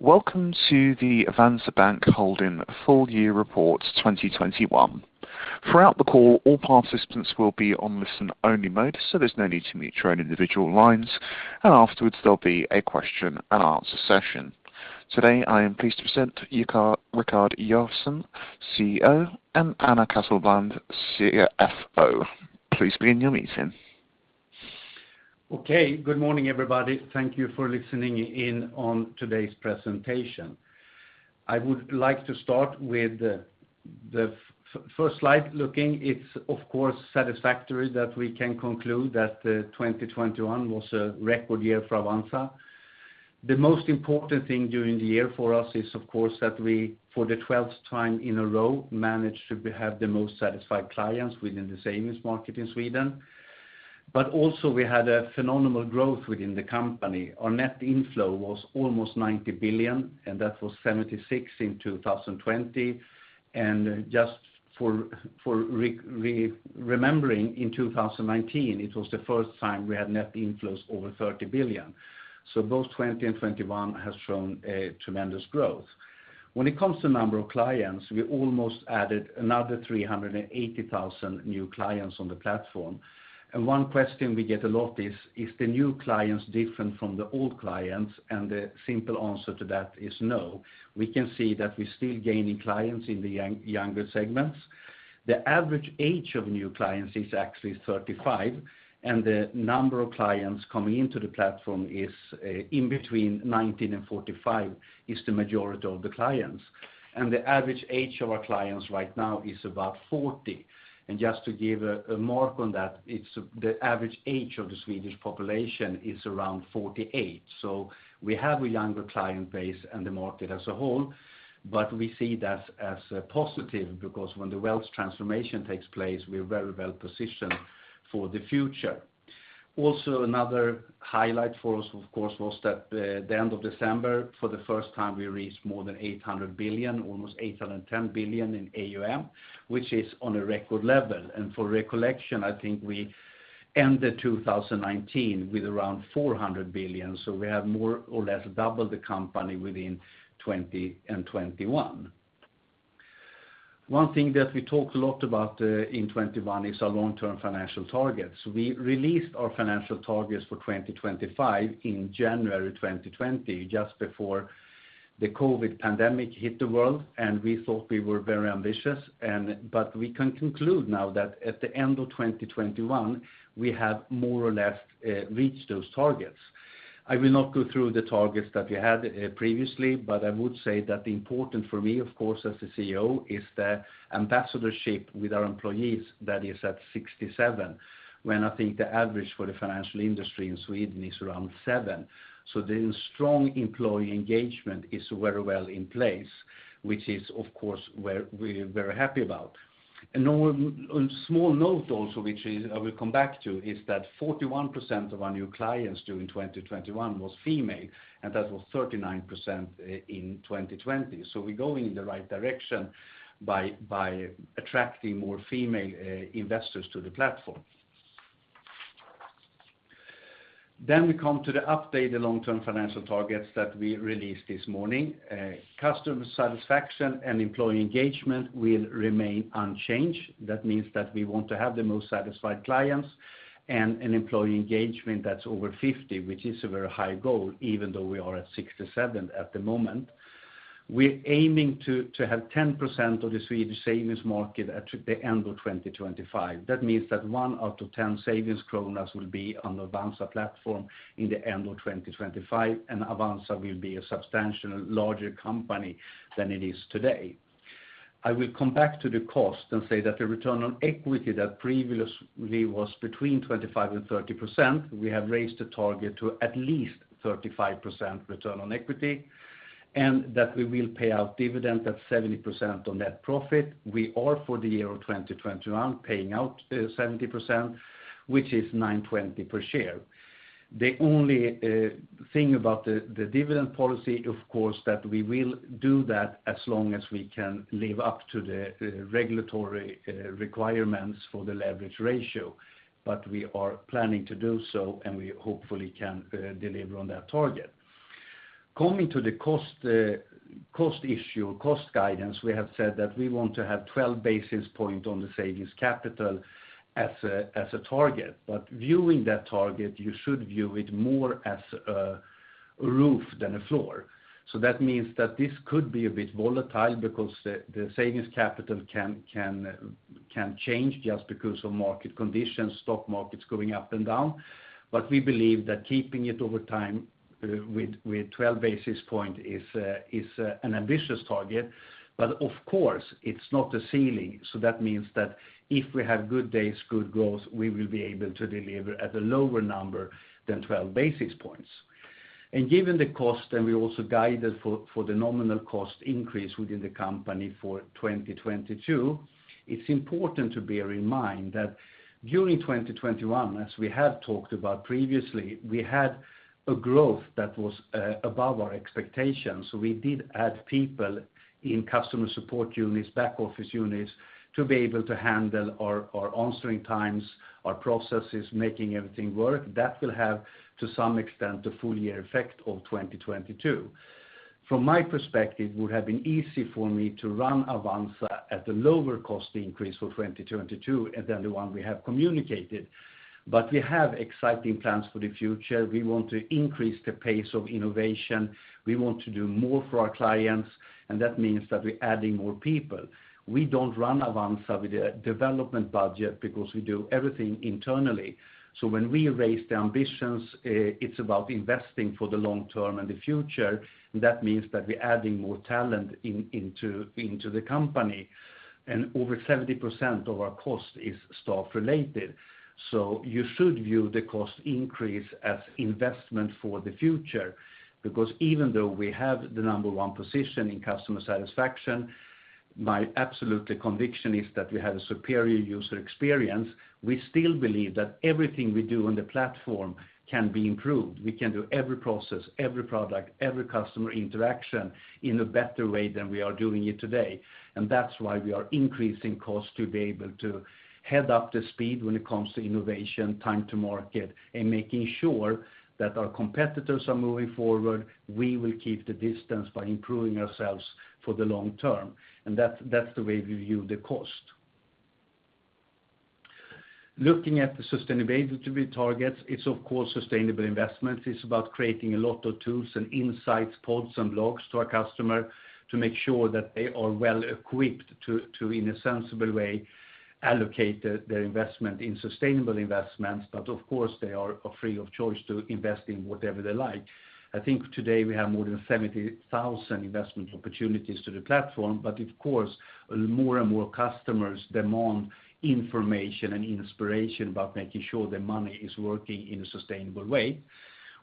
Welcome to the Avanza Bank Holding full year report 2021. Throughout the call, all participants will be on listen-only mode, so there's no need to mute your own individual lines. Afterwards, there'll be a question and answer session. Today, I am pleased to present Rikard Josefson, CEO, and Anna Casselblad, CFO. Please begin your meeting. Okay. Good morning, everybody. Thank you for listening in on today's presentation. I would like to start with the first slide looking. It's of course satisfactory that we can conclude that, 2021 was a record year for Avanza. The most important thing during the year for us is, of course, that we for the 12th time in a row managed to have the most satisfied clients within the savings market in Sweden. We had a phenomenal growth within the company. Our net inflow was almost 90 billion, and that was 76 billion in 2020. Just for remembering, in 2019, it was the first time we had net inflows over 30 billion. Both 2020 and 2021 has shown a tremendous growth. When it comes to number of clients, we almost added another 380,000 new clients on the platform. One question we get a lot is the new clients different from the old clients? The simple answer to that is no. We can see that we're still gaining clients in the younger segments. The average age of new clients is actually 35, and the number of clients coming into the platform is in between 19 and 45 is the majority of the clients. The average age of our clients right now is about 40. Just to give a mark on that, it's the average age of the Swedish population is around 48. We have a younger client base than the market as a whole, but we see that as a positive because when the wealth transformation takes place, we're very well positioned for the future. Another highlight for us, of course, was that the end of December, for the first time, we reached more than 800 billion, almost 810 billion in AUM, which is on a record level. For recollection, I think we ended 2019 with around 400 billion. We have more or less doubled the company within 2020 and 2021. One thing that we talked a lot about in 2021 is our long-term financial targets. We released our financial targets for 2025 in January 2020, just before the COVID pandemic hit the world, and we thought we were very ambitious. We can conclude now that at the end of 2021, we have more or less reached those targets. I will not go through the targets that we had previously, but I would say that the most important for me, of course, as the CEO is the ambassadorship with our employees that is at 67, when I think the average for the financial industry in Sweden is around seven. The strong employee engagement is very well in place, which is, of course, we're very happy about. On a small note also, which is I will come back to, is that 41% of our new clients during 2021 was female, and that was 39% in 2020. We're going in the right direction by attracting more female investors to the platform. We come to the update, the long-term financial targets that we released this morning. Customer satisfaction and employee engagement will remain unchanged. That means that we want to have the most satisfied clients and an employee engagement that's over 50, which is a very high goal, even though we are at 67 at the moment. We're aiming to have 10% of the Swedish savings market at the end of 2025. That means that 1 out of 10 savings kronor will be on Avanza platform in the end of 2025, and Avanza will be a substantially larger company than it is today. I will come back to the cost and say that the return on equity that previously was between 25% and 30%, we have raised the target to at least 35% return on equity, and that we will pay out dividend at 70% on net profit. We are for the year of 2021 paying out 70%, which is 9.20 SEK per share. The only thing about the dividend policy, of course, that we will do that as long as we can live up to the regulatory requirements for the leverage ratio. We are planning to do so, and we hopefully can deliver on that target. Coming to the cost issue, cost guidance, we have said that we want to have 12 basis points on the savings capital as a target. Viewing that target, you should view it more as a roof than a floor. That means that this could be a bit volatile because the savings capital can change just because of market conditions, stock markets going up and down. We believe that keeping it over time with 12 basis points is an ambitious target. Of course, it's not a ceiling, so that means that if we have good days, good growth, we will be able to deliver at a lower number than 12 basis points. Given the cost, and we also guided for the nominal cost increase within the company for 2022, it's important to bear in mind that during 2021, as we have talked about previously, we had a growth that was above our expectations. We did add people in customer support units, back office units to be able to handle our answering times, our processes, making everything work. That will have, to some extent, the full year effect of 2022. From my perspective, it would have been easy for me to run Avanza at the lower cost increase for 2022 than the one we have communicated. We have exciting plans for the future. We want to increase the pace of innovation. We want to do more for our clients, and that means that we're adding more people. We don't run Avanza with a development budget because we do everything internally. When we raise the ambitions, it's about investing for the long term and the future. That means that we're adding more talent into the company, and over 70% of our cost is staff related. You should view the cost increase as investment for the future. Because even though we have the number one position in customer satisfaction, my absolute conviction is that we have a superior user experience, we still believe that everything we do on the platform can be improved. We can do every process, every product, every customer interaction in a better way than we are doing it today. That's why we are increasing costs to be able to get up to speed when it comes to innovation, time to market, and making sure that our competitors are moving forward, we will keep the distance by improving ourselves for the long term. That's the way we view the cost. Looking at the sustainability targets, it's of course sustainable investment. It's about creating a lot of tools and insights, pods, and blogs to our customer to make sure that they are well equipped to in a sensible way allocate their investment in sustainable investments. Of course, they are free of charge to invest in whatever they like. I think today we have more than 70,000 investment opportunities on the platform, but of course, more and more customers demand information and inspiration about making sure their money is working in a sustainable way.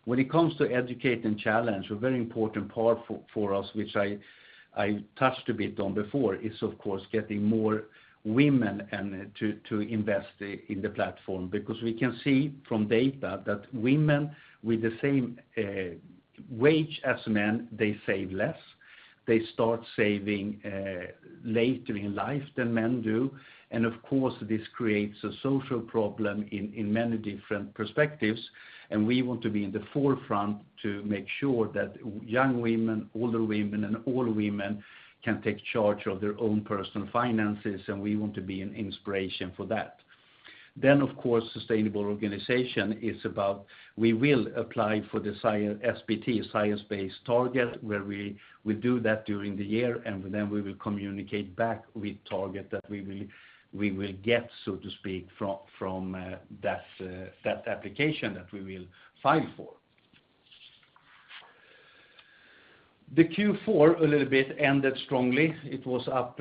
When it comes to educate and challenge, a very important part for us, which I touched a bit on before, is of course getting more women and to invest in the platform. Because we can see from data that women with the same wage as men, they save less. They start saving later in life than men do. Of course, this creates a social problem in many different perspectives. We want to be in the forefront to make sure that young women, older women, and all women can take charge of their own personal finances, and we want to be an inspiration for that. Of course, sustainable organization is about we will apply for the science, SBT, science-based target, where we do that during the year, and then we will communicate back with target that we will get, so to speak, from that application that we will file for. Q4 ended strongly. It was up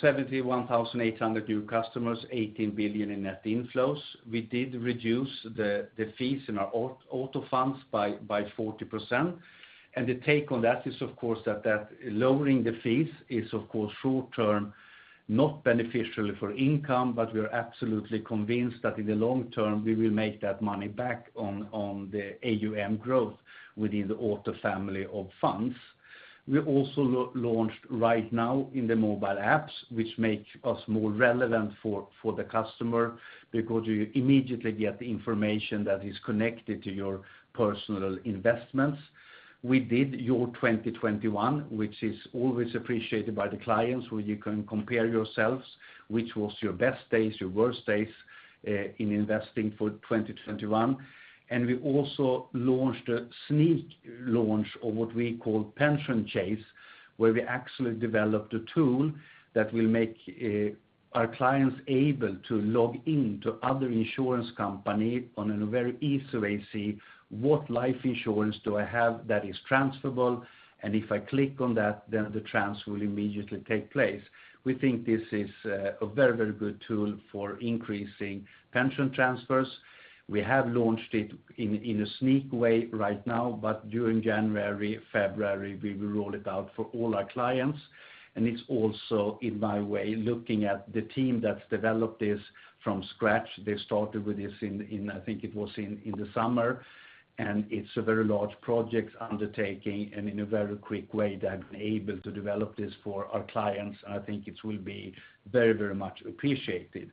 71,800 new customers, 18 billion in net inflows. We did reduce the fees in our Auto funds by 40%. The take on that is, of course, that lowering the fees is of course short term, not beneficial for income, but we are absolutely convinced that in the long term, we will make that money back on the AUM growth within the Auto family of funds. We also launched right now in the mobile apps, which make us more relevant for the customer because you immediately get the information that is connected to your personal investments. We did year 2021, which is always appreciated by the clients, where you can compare yourselves, which was your best days, your worst days, in investing for 2021. We also launched a sneak launch of what we call Pensionsjakten, where we actually developed a tool that will make our clients able to log in to other insurance company on a very easy way, see what life insurance do I have that is transferable, and if I click on that, then the transfer will immediately take place. We think this is a very, very good tool for increasing pension transfers. We have launched it in a sneak way right now, but during January, February, we will roll it out for all our clients. It's also in my way looking at the team that's developed this from scratch. They started with this in, I think it was in the summer, and it's a very large project undertaking and in a very quick way they've been able to develop this for our clients. I think it will be very, very much appreciated.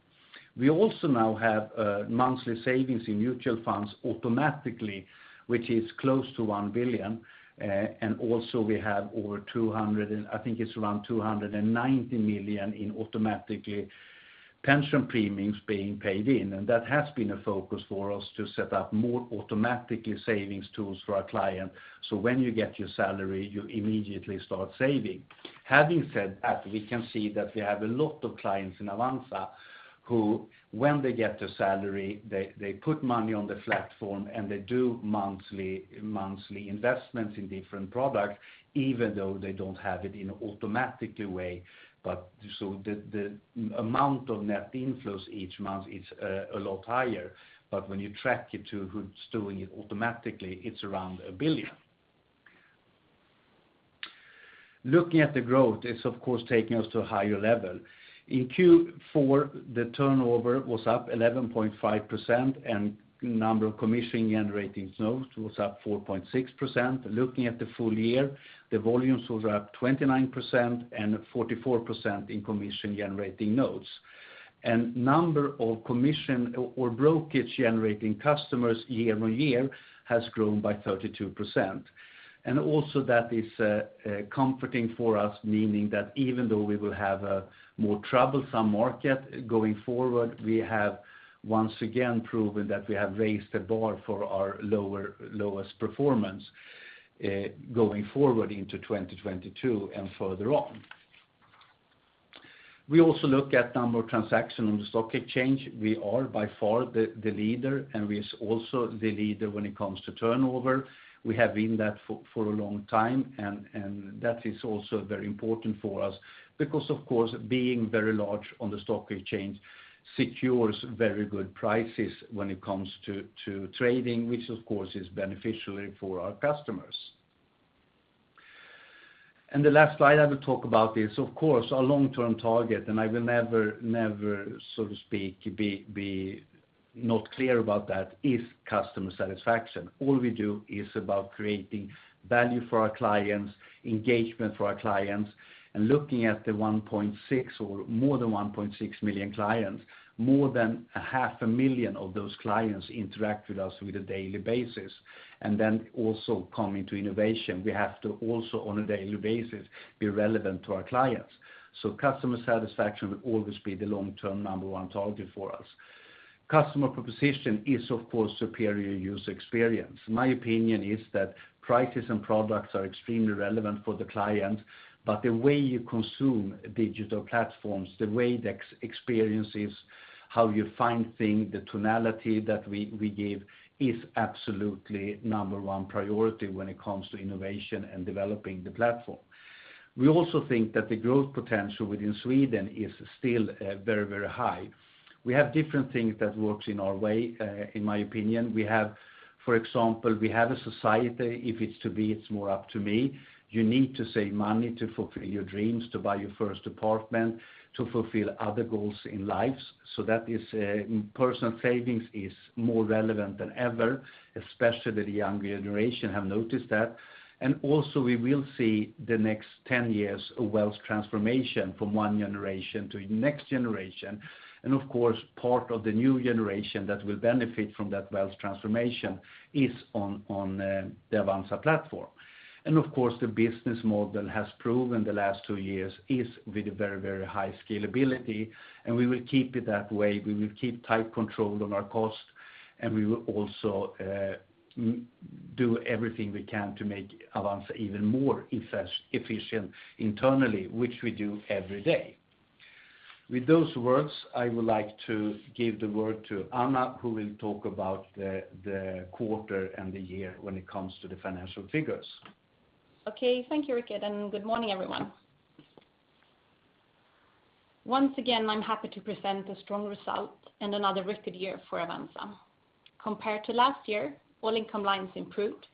We also now have monthly savings in mutual funds automatically, which is close to 1 billion. And also we have over 200 and I think it's around 290 million in automatically pension premiums being paid in. That has been a focus for us to set up more automatically savings tools for our clients. When you get your salary, you immediately start saving. Having said that, we can see that we have a lot of clients in Avanza who when they get their salary, they put money on the platform and they do monthly investments in different products, even though they don't have it in automatic way. The amount of net inflows each month is a lot higher. When you track it to who's doing it automatically, it's around 1 billion. Looking at the growth, it's of course taking us to a higher level. In Q4, the turnover was up 11.5% and number of commission generating notes was up 4.6%. Looking at the full year, the volumes was up 29% and 44% in commission generating notes. Number of commission or brokerage generating customers year-on-year has grown by 32%. That is comforting for us, meaning that even though we will have a more troublesome market going forward, we have once again proven that we have raised the bar for our lowest performance going forward into 2022 and further on. We also look at number of transaction on the stock exchange. We are by far the leader, and we are also the leader when it comes to turnover. We have been that for a long time, and that is also very important for us because of course, being very large on the stock exchange secures very good prices when it comes to trading, which of course is beneficial for our customers. The last slide I will talk about is of course our long-term target, and I will never, so to speak, be not clear about that is customer satisfaction. All we do is about creating value for our clients, engagement for our clients, and looking at the 1.6 or more than 1.6 million clients, more than 0.5 million of those clients interact with us on a daily basis. Also coming to innovation, we have to also on a daily basis be relevant to our clients. Customer satisfaction will always be the long-term number one target for us. Customer proposition is of course superior user experience. My opinion is that prices and products are extremely relevant for the client, but the way you consume digital platforms, the way the experience is, how you find things, the tonality that we give is absolutely number one priority when it comes to innovation and developing the platform. We also think that the growth potential within Sweden is still very high. We have different things that works in our way, in my opinion. We have, for example, a society, if it's to be, it's more up to me. You need to save money to fulfill your dreams, to buy your first apartment, to fulfill other goals in lives. That is, personal savings is more relevant than ever, especially the younger generation have noticed that. We will see the next 10 years a wealth transformation from one generation to the next generation. Of course, part of the new generation that will benefit from that wealth transformation is on the Avanza platform. Of course, the business model has proven the last 2 years is with a very, very high scalability, and we will keep it that way. We will keep tight control on our cost, and we will also do everything we can to make Avanza even more efficient internally, which we do every day. With those words, I would like to give the word to Anna, who will talk about the quarter and the year when it comes to the financial figures. Okay. Thank you, Rikard, and good morning, everyone. Once again, I'm happy to present a strong result and another record year for Avanza. Compared to last year, all income lines improved.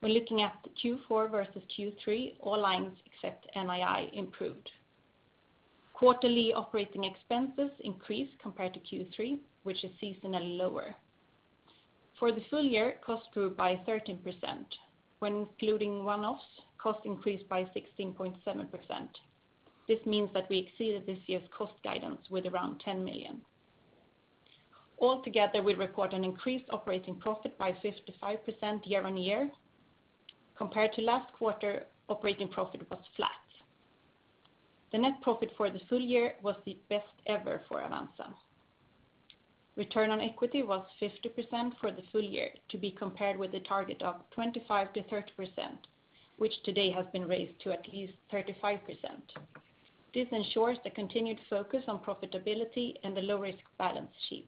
When looking at Q4 versus Q3, all lines except NII improved. Quarterly operating expenses increased compared to Q3, which is seasonally lower. For the full year, costs grew by 13%. When including one-offs, costs increased by 16.7%. This means that we exceeded this year's cost guidance with around 10 million. Altogether, we record an increased operating profit by 55% year-on-year. Compared to last quarter, operating profit was flat. The net profit for the full year was the best ever for Avanza. Return on equity was 50% for the full year, to be compared with a target of 25%-30%, which today has been raised to at least 35%. This ensures the continued focus on profitability and the low-risk balance sheet.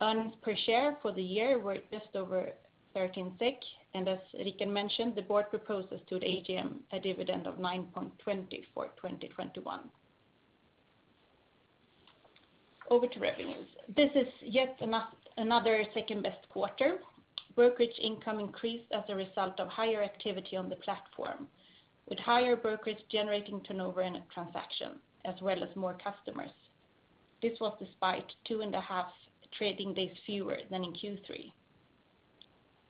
Earnings per share for the year were just over 13 SEK, and as Rikard mentioned, the board proposes to the AGM a dividend of 9.20 SEK for 2021. Over to revenues. This is yet another second-best quarter. Brokerage income increased as a result of higher activity on the platform, with higher brokerage generating turnover and transaction, as well as more customers. This was despite 2.5 trading days fewer than in Q3.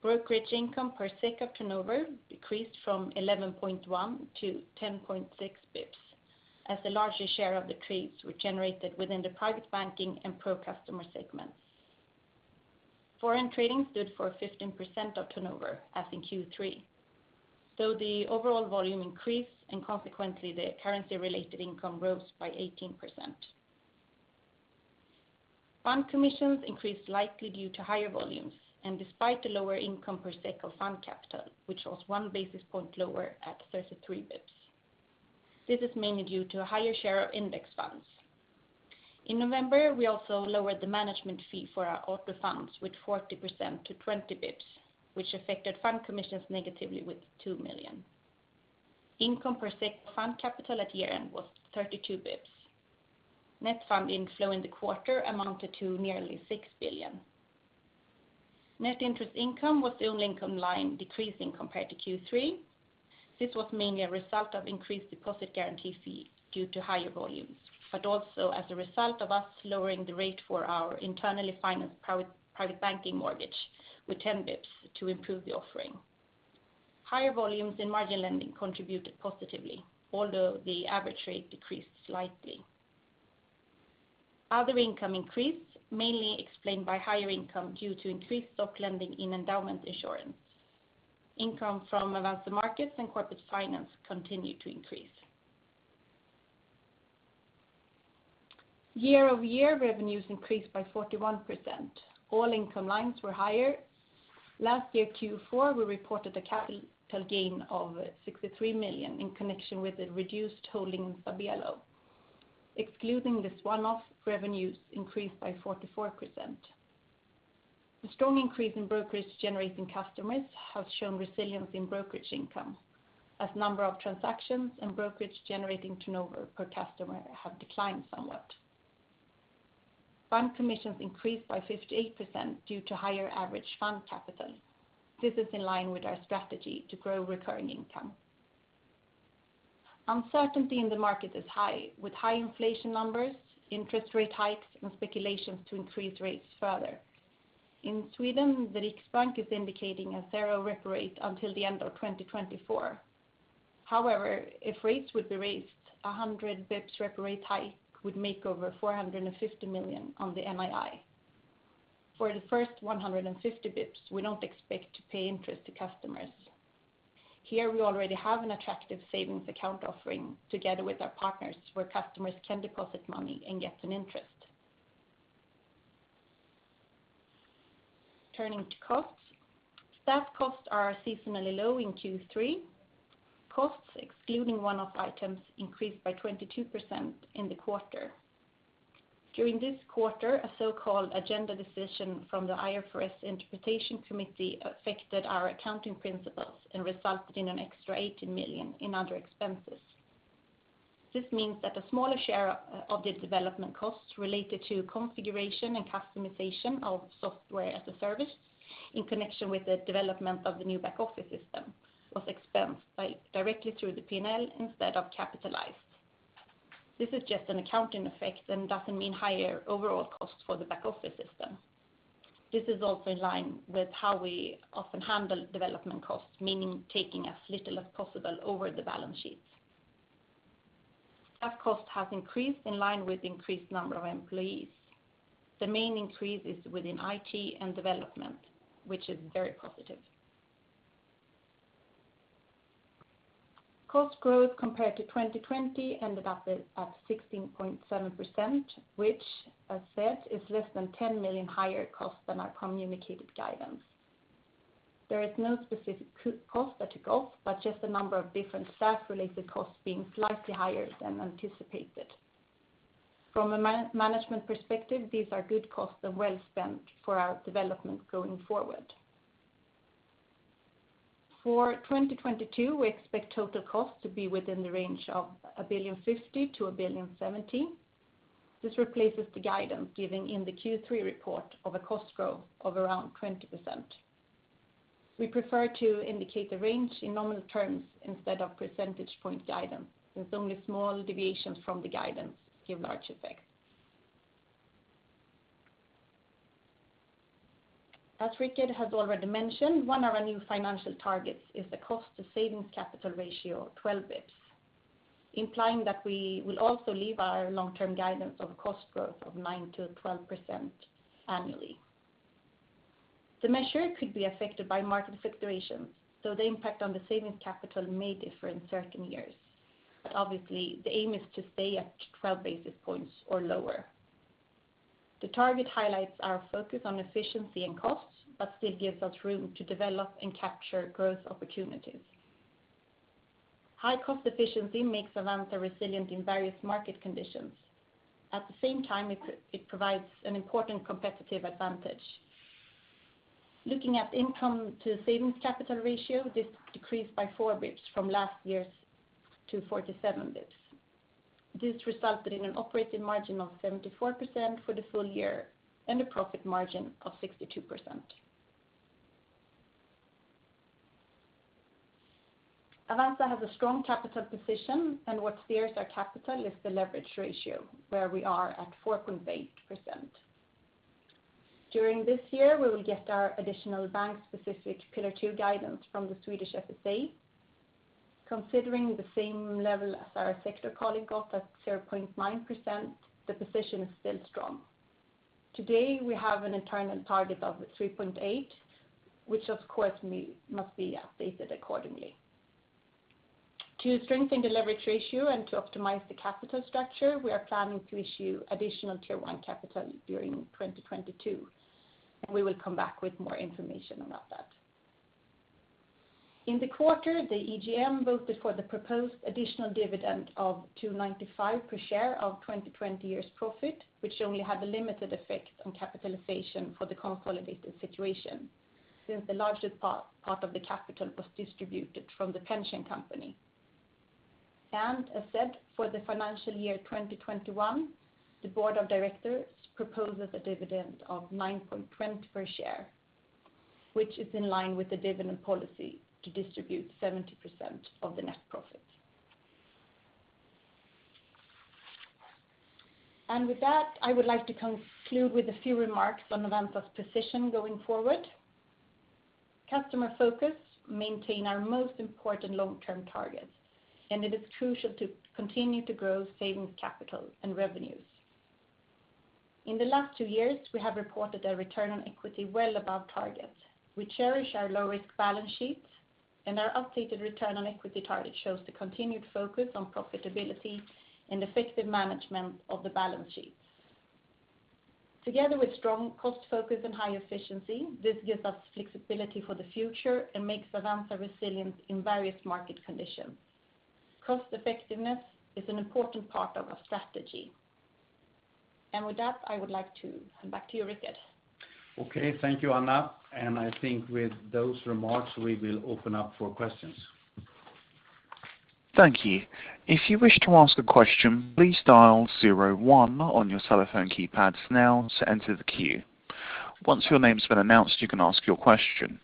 Brokerage income per SEK of turnover decreased from 11.1-10.6 bps, as the largest share of the trades were generated within the Private Banking and Pro customer segments. Foreign trading stood for 15% of turnover, as in Q3. The overall volume increased, and consequently, the currency related income rose by 18%. Fund commissions increased, likely due to higher volumes, and despite the lower income per SEK of fund capital, which was 1 basis point lower at 33 basis points. This is mainly due to a higher share of index funds. In November, we also lowered the management fee for our auto funds with 40% to 20 basis points, which affected fund commissions negatively with 2 million. Income per SEK fund capital at year-end was 32 basis points. Net fund inflow in the quarter amounted to nearly 6 billion. Net interest income was the only income line decreasing compared to Q3. This was mainly a result of increased deposit guarantee fees due to higher volumes, but also as a result of us lowering the rate for our internally financed Private Banking mortgage with 10 basis points to improve the offering. Higher volumes in margin lending contributed positively, although the average rate decreased slightly. Other income increased, mainly explained by higher income due to increased stock lending in endowment insurance. Income from Avanza Markets and corporate finance continued to increase. Year-over-year revenues increased by 41%. All income lines were higher. Last year Q4, we reported a capital gain of 63 million in connection with the reduced holding in Stabelo. Excluding this one-off, revenues increased by 44%. The strong increase in brokerage generating customers has shown resilience in brokerage income as number of transactions and brokerage generating turnover per customer have declined somewhat. Fund commissions increased by 58% due to higher average fund capital. This is in line with our strategy to grow recurring income. Uncertainty in the market is high, with high inflation numbers, interest rate hikes, and speculations to increase rates further. In Sweden, the Riksbank is indicating a 0 repo rate until the end of 2024. However, if rates would be raised 100 basis points, a repo rate hike would make over 450 million on the NII. For the first 150 basis points, we don't expect to pay interest to customers. Here, we already have an attractive savings account offering together with our partners, where customers can deposit money and get an interest. Turning to costs. Staff costs are seasonally low in Q3. Costs excluding one-off items increased by 22% in the quarter. During this quarter, a so-called agenda decision from the IFRS interpretation committee affected our accounting principles and resulted in an extra 18 million in other expenses. This means that a smaller share of the development costs related to configuration and customization of software as a service in connection with the development of the new back-office system was expensed directly through the P&L instead of capitalized. This is just an accounting effect and doesn't mean higher overall costs for the back-office system. This is also in line with how we often handle development costs, meaning taking as little as possible off the balance sheet. Staff cost has increased in line with increased number of employees. The main increase is within IT and development, which is very positive. Cost growth compared to 2020 ended up at 16.7%, which I said is less than 10 million higher cost than our communicated guidance. There is no specific cost that took off, but just a number of different staff-related costs being slightly higher than anticipated. From a man-management perspective, these are good costs and well spent for our development going forward. For 2022, we expect total costs to be within the range of 1.05 billion - 1.07 billion. This replaces the guidance given in the Q3 report of a cost growth of around 20%. We prefer to indicate the range in nominal terms instead of percentage point guidance, since only small deviations from the guidance give large effects. As Rikard has already mentioned, one of our new financial targets is the cost to savings capital ratio of 12 basis points, implying that we will also leave our long-term guidance of cost growth of 9%-12% annually. The measure could be affected by market fluctuations, so the impact on the savings capital may differ in certain years. Obviously, the aim is to stay at 12 basis points or lower. The target highlights our focus on efficiency and costs, but still gives us room to develop and capture growth opportunities. High cost efficiency makes Avanza resilient in various market conditions. At the same time, it provides an important competitive advantage. Looking at income to savings capital ratio, this decreased by 4 basis points from last year's to 47 basis points. This resulted in an operating margin of 74% for the full year and a profit margin of 62%. Avanza has a strong capital position, and what steers our capital is the leverage ratio, where we are at 4.8%. During this year, we will get our additional bank-specific Pillar 2 guidance from the Swedish FSA. Considering the same level as our sector colleague got at 0.9%, the position is still strong. Today, we have an internal target of 3.8, which of course must be updated accordingly. To strengthen the leverage ratio and to optimize the capital structure, we are planning to issue additional Tier 1 capital during 2022, and we will come back with more information about that. In the quarter, the EGM voted for the proposed additional dividend of 2.95 per share of 2020 year's profit, which only had a limited effect on capitalization for the consolidated situation since the largest part of the capital was distributed from the pension company. As said, for the financial year 2021, the board of directors proposes a dividend of 9.20 per share, which is in line with the dividend policy to distribute 70% of the net profit. With that, I would like to conclude with a few remarks on Avanza's position going forward. Customer focus. Maintain our most important long-term targets, and it is crucial to continue to grow savings capital and revenues. In the last two years, we have reported a return on equity well above targets. We cherish our low-risk balance sheets, and our updated return on equity target shows the continued focus on profitability and effective management of the balance sheets. Together with strong cost focus and high efficiency, this gives us flexibility for the future and makes Avanza resilient in various market conditions. Cost effectiveness is an important part of our strategy. With that, I would like to hand back to you, Rikard. Okay. Thank you, Anna. I think with those remarks, we will open up for questions. Thank you. If you wish to ask a question, please dial zero one on your telephone keypads now to enter the queue. Once your name's been announced, you can ask your question.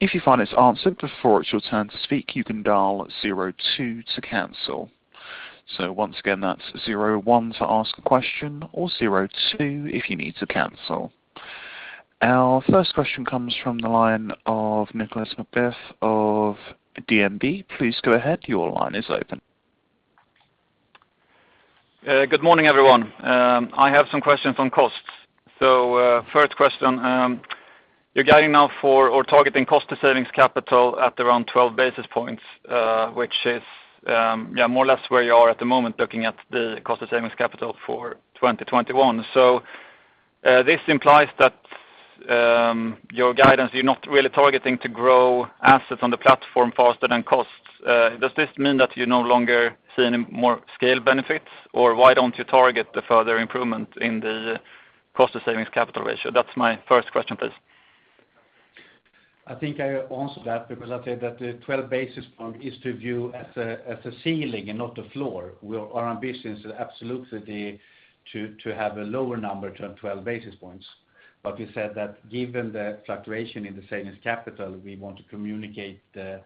If you find it's answered before it's your turn to speak, you can dial zero two to cancel. Once again, that's zero one to ask a question or zero two if you need to cancel. Our first question comes from the line of Nicolas McBeath of DNB. Please go ahead. Your line is open. Good morning, everyone. I have some questions on costs. First question, you're guiding now for or targeting cost to savings capital at around 12 basis points, which is more or less where you are at the moment looking at the cost of savings capital for 2021. This implies that your guidance, you're not really targeting to grow assets on the platform faster than costs. Does this mean that you no longer see any more scale benefits, or why don't you target the further improvement in the cost of savings capital ratio? That's my first question, please. I think I answered that because I said that the 12 basis point is to view as a ceiling and not the floor. We are ambitious absolutely to have a lower number than 12 basis points. We said that given the fluctuation in the savings capital, we want to communicate the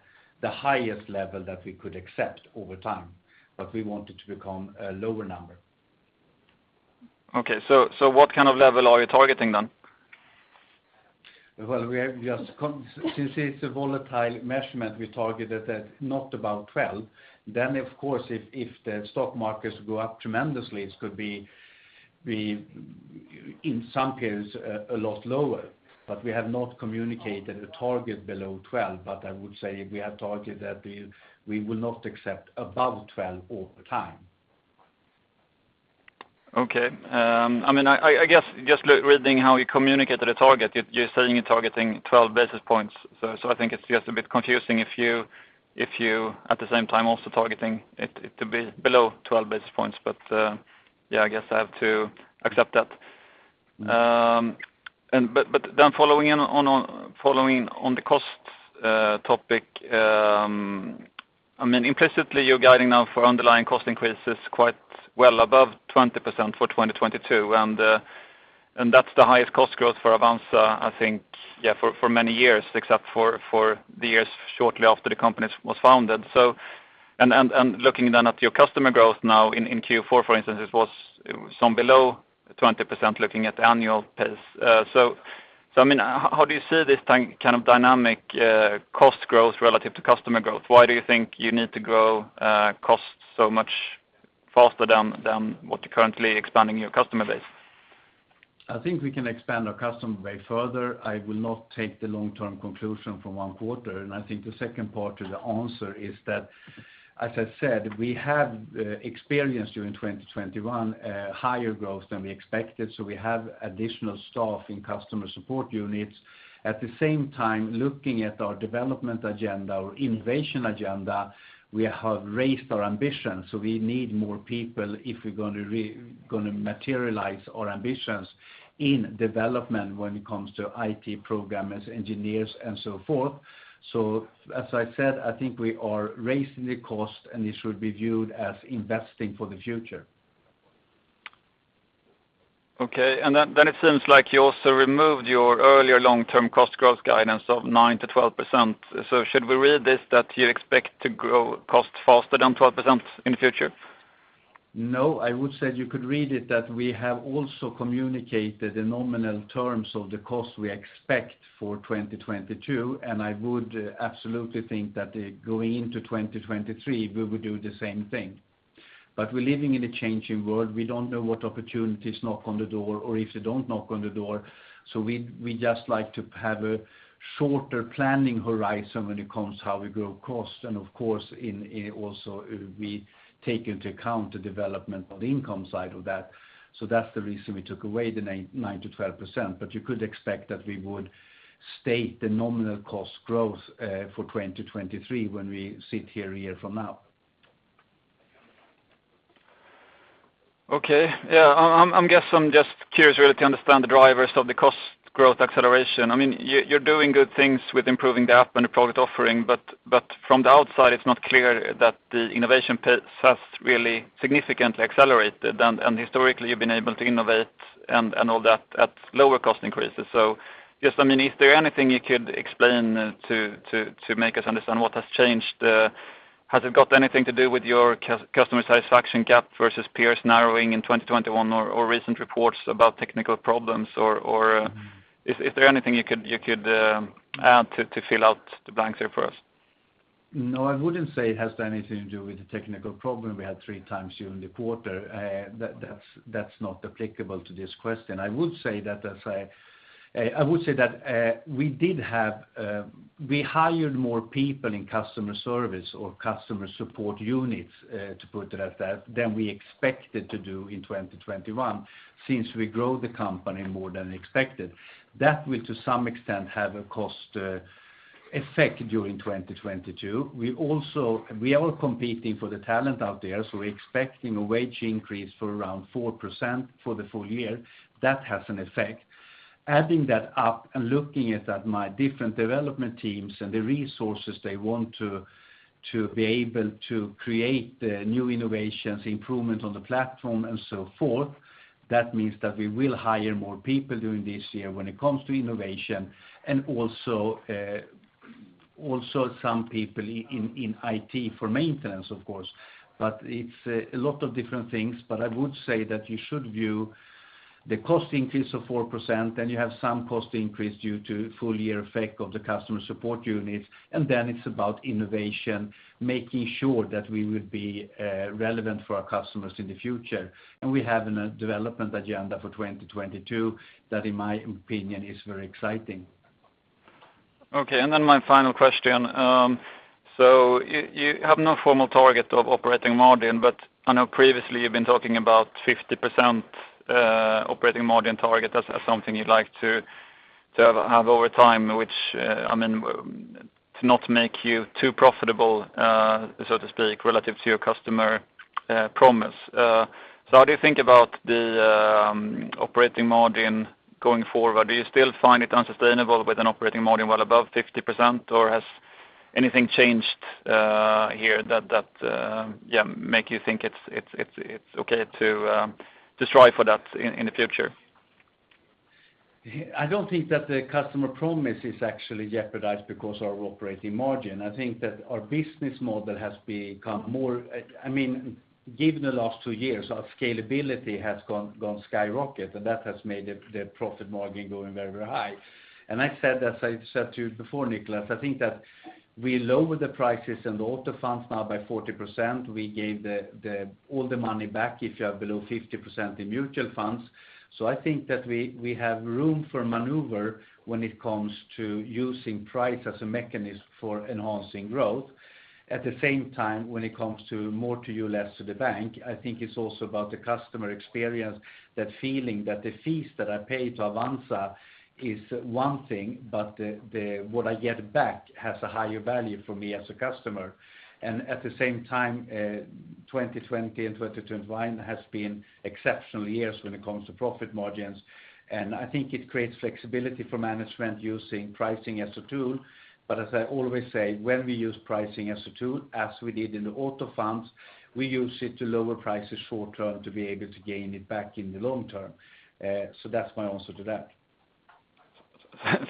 highest level that we could accept over time, but we want it to become a lower number. Okay. What kind of level are you targeting then? Well, since it's a volatile measurement, we targeted that not above 12. Of course, if the stock markets go up tremendously, it could be in some cases a lot lower, but we have not communicated a target below 12. I would say we have targeted that we will not accept above 12 over time. Okay. I mean, I guess just reading how you communicated the target, you're saying you're targeting 12 basis points. I think it's just a bit confusing if you at the same time also targeting it to be below 12 basis points. Yeah, I guess I have to accept that. Following on the costs topic, I mean, implicitly, you're guiding now for underlying cost increases quite well above 20% for 2022. That's the highest cost growth for Avanza, I think, yeah, for many years, except for the years shortly after the company was founded. Looking then at your customer growth now in Q4, for instance, it was somewhat below 20% looking at annual pace. I mean, how do you see this kind of dynamic, cost growth relative to customer growth? Why do you think you need to grow costs so much faster than what you're currently expanding your customer base? I think we can expand our customer base further. I will not take the long-term conclusion from one quarter. I think the second part to the answer is that, as I said, we have experienced during 2021 higher growth than we expected. We have additional staff in customer support units. At the same time, looking at our development agenda, our innovation agenda, we have raised our ambition. We need more people if we're going to materialize our ambitions in development when it comes to IT programmers, engineers and so forth. As I said, I think we are raising the cost and it should be viewed as investing for the future. Okay. It seems like you also removed your earlier long-term cost growth guidance of 9%-12%. Should we read this that you expect to grow cost faster than 12% in the future? No, I would say you could read it that we have also communicated the nominal terms of the cost we expect for 2022, and I would absolutely think that going into 2023, we will do the same thing. We're living in a changing world. We don't know what opportunities knock on the door or if they don't knock on the door. We just like to have a shorter planning horizon when it comes to how we grow cost. Of course, in also we take into account the development of the income side of that. That's the reason we took away the 9%-12%. You could expect that we would state the nominal cost growth for 2023 when we sit here a year from now. Okay. Yeah, I'm just curious really to understand the drivers of the cost growth acceleration. I mean, you're doing good things with improving the app and the product offering, but from the outside, it's not clear that the innovation pace has really significantly accelerated. Historically, you've been able to innovate and all that at lower cost increases. Just, I mean, is there anything you could explain to make us understand what has changed? Has it got anything to do with your customer satisfaction gap versus peers narrowing in 2021 or recent reports about technical problems? Is there anything you could add to fill out the blanks there for us? No, I wouldn't say it has anything to do with the technical problem we had three times during the quarter. That's not applicable to this question. I would say that we hired more people in customer service or customer support units, to put it as that, than we expected to do in 2021 since we grow the company more than expected. That will to some extent have a cost effect during 2022. We are competing for the talent out there, so we're expecting a wage increase for around 4% for the full year. That has an effect. Adding that up and looking at my different development teams and the resources they want to be able to create new innovations, improvement on the platform, and so forth, that means that we will hire more people during this year when it comes to innovation and also some people in IT for maintenance of course. It's a lot of different things, but I would say that you should view the cost increase of 4%, then you have some cost increase due to full year effect of the customer support units, and then it's about innovation, making sure that we will be relevant for our customers in the future. We have a development agenda for 2022 that in my opinion is very exciting. Okay, my final question. You have no formal target of operating margin, but I know previously you've been talking about 50% operating margin target as something you'd like to have over time, which I mean to not make you too profitable, so to speak, relative to your customer promise. How do you think about the operating margin going forward? Do you still find it unsustainable with an operating margin well above 50%, or has anything changed here that make you think it's okay to strive for that in the future? I don't think that the customer promise is actually jeopardized because our operating margin. I think that our business model has become more, I mean, given the last two years, our scalability has skyrocketed, and that has made the profit margin going very high. I said, as I said to you before, Nicolas, I think that we lowered the prices in the Auto funds now by 40%. We gave all the money back if you are below 50% in mutual funds. I think that we have room for maneuver when it comes to using price as a mechanism for enhancing growth. At the same time, when it comes to more to you, less to the bank, I think it's also about the customer experience, that feeling that the fees that I pay to Avanza is one thing, but the what I get back has a higher value for me as a customer. At the same time, 2020 and 2021 has been exceptional years when it comes to profit margins, and I think it creates flexibility for management using pricing as a tool. As I always say, when we use pricing as a tool, as we did in the Auto funds, we use it to lower prices short term to be able to gain it back in the long term. So that's my answer to that.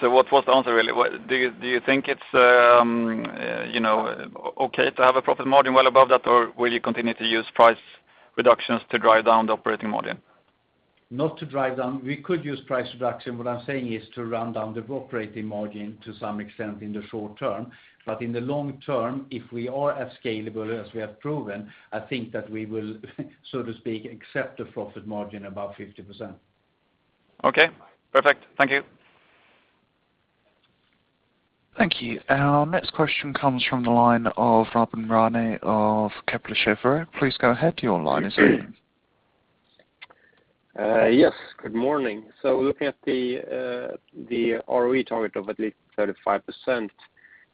What was the answer really? Do you think it's, you know, okay to have a profit margin well above that, or will you continue to use price reductions to drive down the operating margin? Not to drive down. We could use price reduction. What I'm saying is to run down the operating margin to some extent in the short term. In the long term, if we are as scalable as we have proven, I think that we will so to speak accept the profit margin above 50%. Okay. Perfect. Thank you. Thank you. Our next question comes from the line of Robin Rane of Kepler Cheuvreux. Please go ahead. Your line is open. Yes. Good morning. Looking at the ROE target of at least 35%,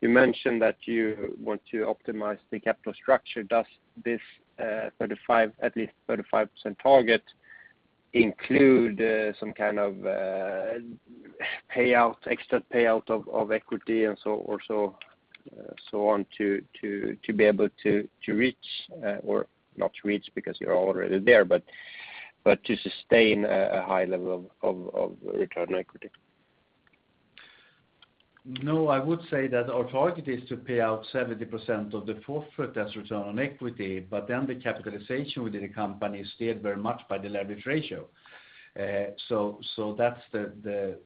you mentioned that you want to optimize the capital structure. Does this at least 35% target include some kind of payout, extra payout of equity or so on to be able to reach or not to reach because you're already there, but to sustain a high level of return on equity? No, I would say that our target is to pay out 70% of the profit as return on equity, but then the capitalization within the company is steered very much by the leverage ratio. That's the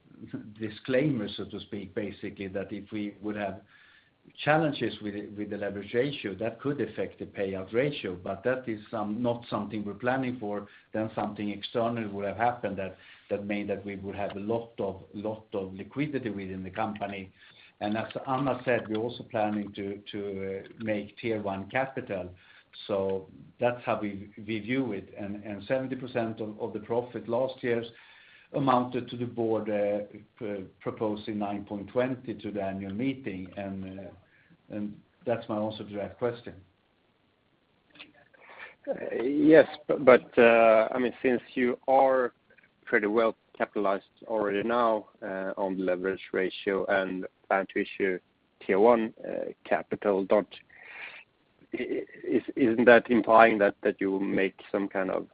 disclaimer, so to speak, basically, that if we would have challenges with the leverage ratio, that could affect the payout ratio. That is not something we're planning for. Something external would have happened that made that we would have a lot of liquidity within the company. As Anna said, we're also planning to make Tier 1 capital. That's how we view it. Seventy percent of the profit last year amounted to the board proposing 9.20 to the annual meeting. That's my answer to that question. I mean, since you are pretty well capitalized already now on the leverage ratio and plan to issue Tier 1 capital, isn't that implying that you will make some kind of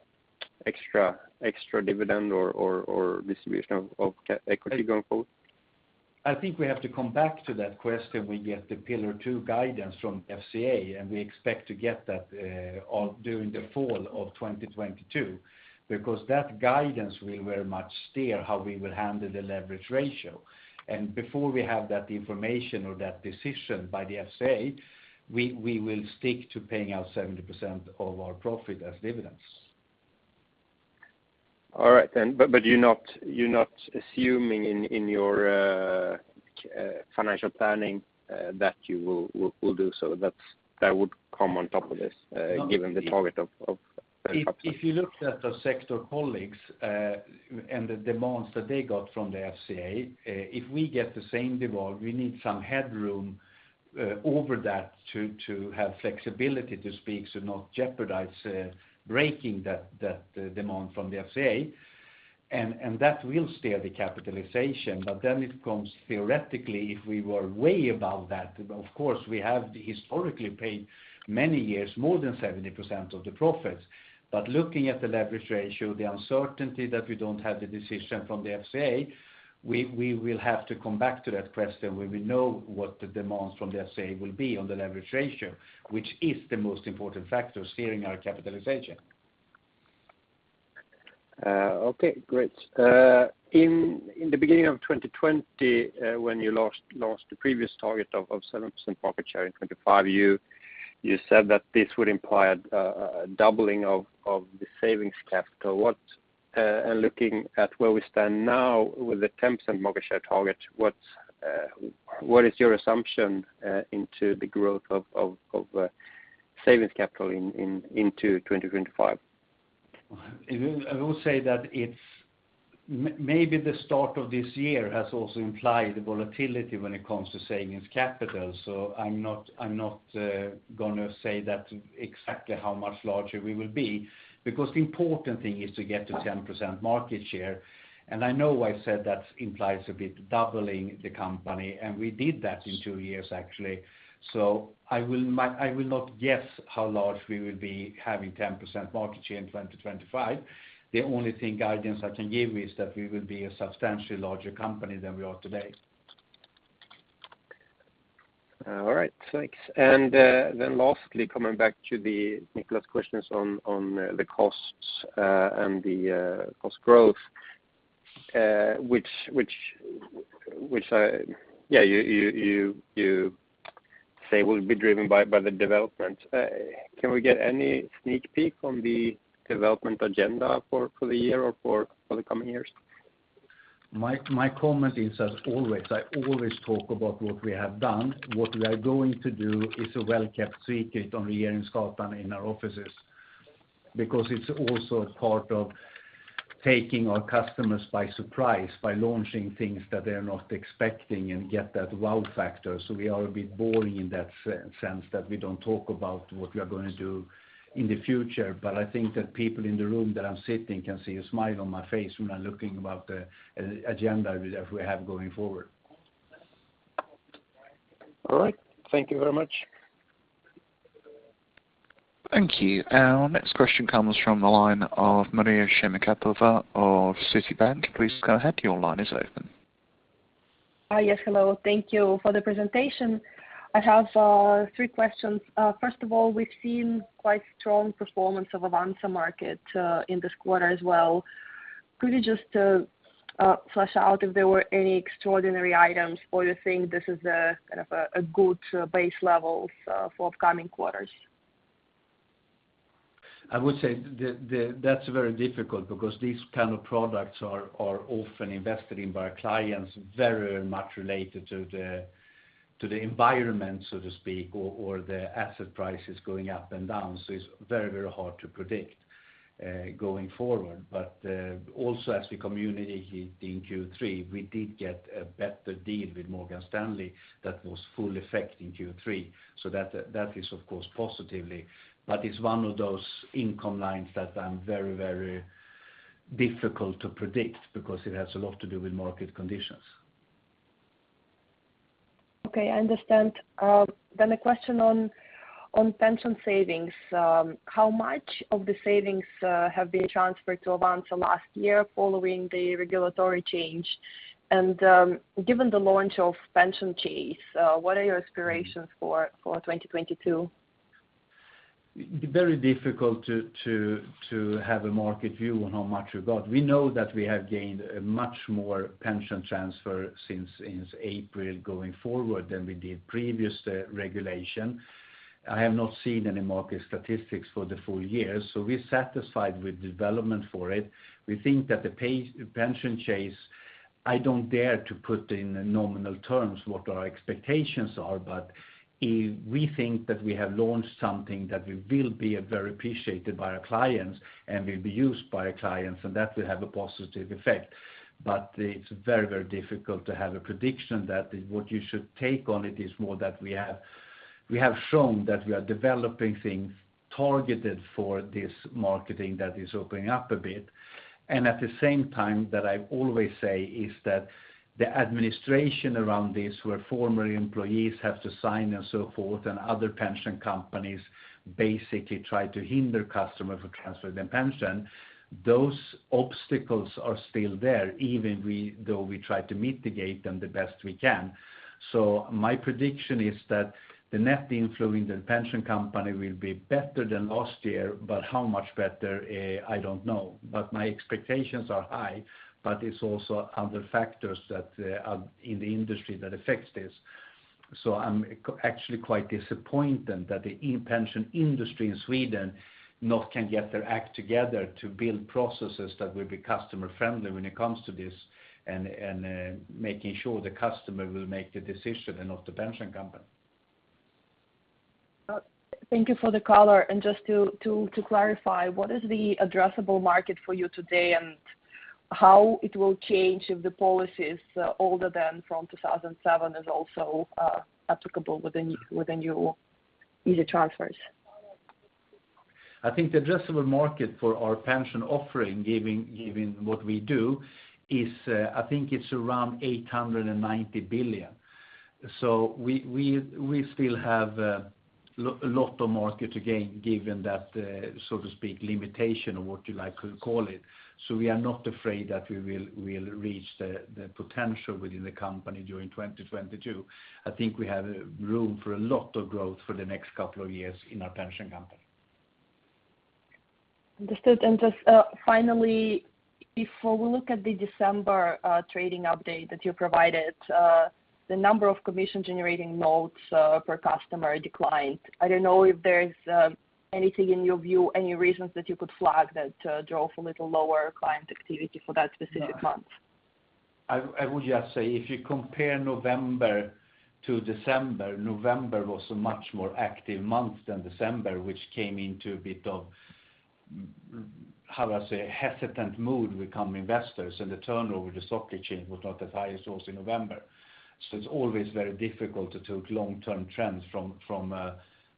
extra dividend or distribution of equity going forward? I think we have to come back to that question when we get the Pillar 2 guidance from FSA, and we expect to get that all during the fall of 2022, because that guidance will very much steer how we will handle the leverage ratio. Before we have that information or that decision by the FSA, we will stick to paying out 70% of our profit as dividends. All right then. You're not assuming in your financial planning that you will do so. That's. That would come on top of this, given the target of If you looked at the sector colleagues and the demands that they got from the FSA, if we get the same demand, we need some headroom over that to have flexibility, to speak, to not jeopardize breaking that demand from the FSA. That will steer the capitalization. It comes theoretically, if we were way above that, of course, we have historically paid many years more than 70% of the profits. Looking at the leverage ratio, the uncertainty that we don't have the decision from the FSA, we will have to come back to that question when we know what the demands from the FSA will be on the leverage ratio, which is the most important factor steering our capitalization. Okay, great. In the beginning of 2020, when you lost the previous target of 7% market share in 2025, you said that this would imply a doubling of the savings capital. What is your assumption into the growth of savings capital into 2025? I will say that it's maybe the start of this year has also implied the volatility when it comes to savings capital. I'm not gonna say that exactly how much larger we will be, because the important thing is to get to 10% market share. I know I've said that implies a bit doubling the company, and we did that in two years actually. I will not guess how large we will be having 10% market share in 2025. The only guidance I can give is that we will be a substantially larger company than we are today. All right, thanks. Lastly, coming back to the Niklas questions on the costs and the cost growth, which you say will be driven by the development. Can we get any sneak peek on the development agenda for the year or for the coming years? My comment is as always, I always talk about what we have done. What we are going to do is a well-kept secret on the floor in Kungsgatan in our offices, because it's also part of taking our customers by surprise by launching things that they are not expecting and get that wow factor. We are a bit boring in that sense that we don't talk about what we are going to do in the future. I think that people in the room that I'm sitting can see a smile on my face when I'm looking at the agenda that we have going forward. All right. Thank you very much. Thank you. Our next question comes from the line of Maria Semikhatova of Citibank. Please go ahead, your line is open. Yes, hello. Thank you for the presentation. I have three questions. First of all, we've seen quite strong performance of Avanza Markets in this quarter as well. Could you just flesh out if there were any extraordinary items or you think this is a kind of good base levels for upcoming quarters? I would say that's very difficult because these kind of products are often invested in by our clients, very much related to the environment, so to speak, or the asset prices going up and down. It's very hard to predict going forward. Also as we communicated in Q3, we did get a better deal with Morgan Stanley that was full effect in Q3. That is of course positively. It's one of those income lines that I'm very difficult to predict because it has a lot to do with market conditions. Okay, I understand. A question on pension savings. How much of the savings have been transferred to Avanza last year following the regulatory change? Given the launch of Pension Hunt, what are your aspirations for 2022? Very difficult to have a market view on how much we got. We know that we have gained much more pension transfer since April going forward than we did previous regulation. I have not seen any market statistics for the full year, so we're satisfied with development for it. We think that the Pension Hunt, I don't dare to put in nominal terms what our expectations are, but if we think that we have launched something that will be very appreciated by our clients and will be used by our clients, and that will have a positive effect. But it's very, very difficult to have a prediction that what you should take on it is more that we have shown that we are developing things targeted for this marketing that is opening up a bit. At the same time that I always say is that the administration around this, where former employees have to sign and so forth, and other pension companies basically try to hinder customers who transfer their pension, those obstacles are still there, even though we try to mitigate them the best we can. My prediction is that the net inflow in the pension company will be better than last year, but how much better, I don't know. My expectations are high, but it's also other factors that are in the industry that affects this. I'm actually quite disappointed that the e-pension industry in Sweden not can get their act together to build processes that will be customer-friendly when it comes to this and making sure the customer will make the decision and not the pension company. Thank you for the color. Just to clarify, what is the addressable market for you today and how it will change if the policies older than from 2007 is also applicable within your easy transfers? I think the addressable market for our pension offering, giving what we do, is. I think it's around 890 billion. We still have a lot of market to gain given that, so to speak, limitation or what you like to call it. We are not afraid that we'll reach the potential within the company during 2022. I think we have room for a lot of growth for the next couple of years in our pension company. Understood. Just finally, before we look at the December trading update that you provided, the number of commission generating notes per customer declined. I don't know if there's anything in your view, any reasons that you could flag that drove a little lower client activity for that specific month. I would just say, if you compare November to December, November was a much more active month than December, which came into a bit of, how do I say, hesitant mood with some investors, and the turnover with the stock exchange was not as high as it was in November. It's always very difficult to take long-term trends from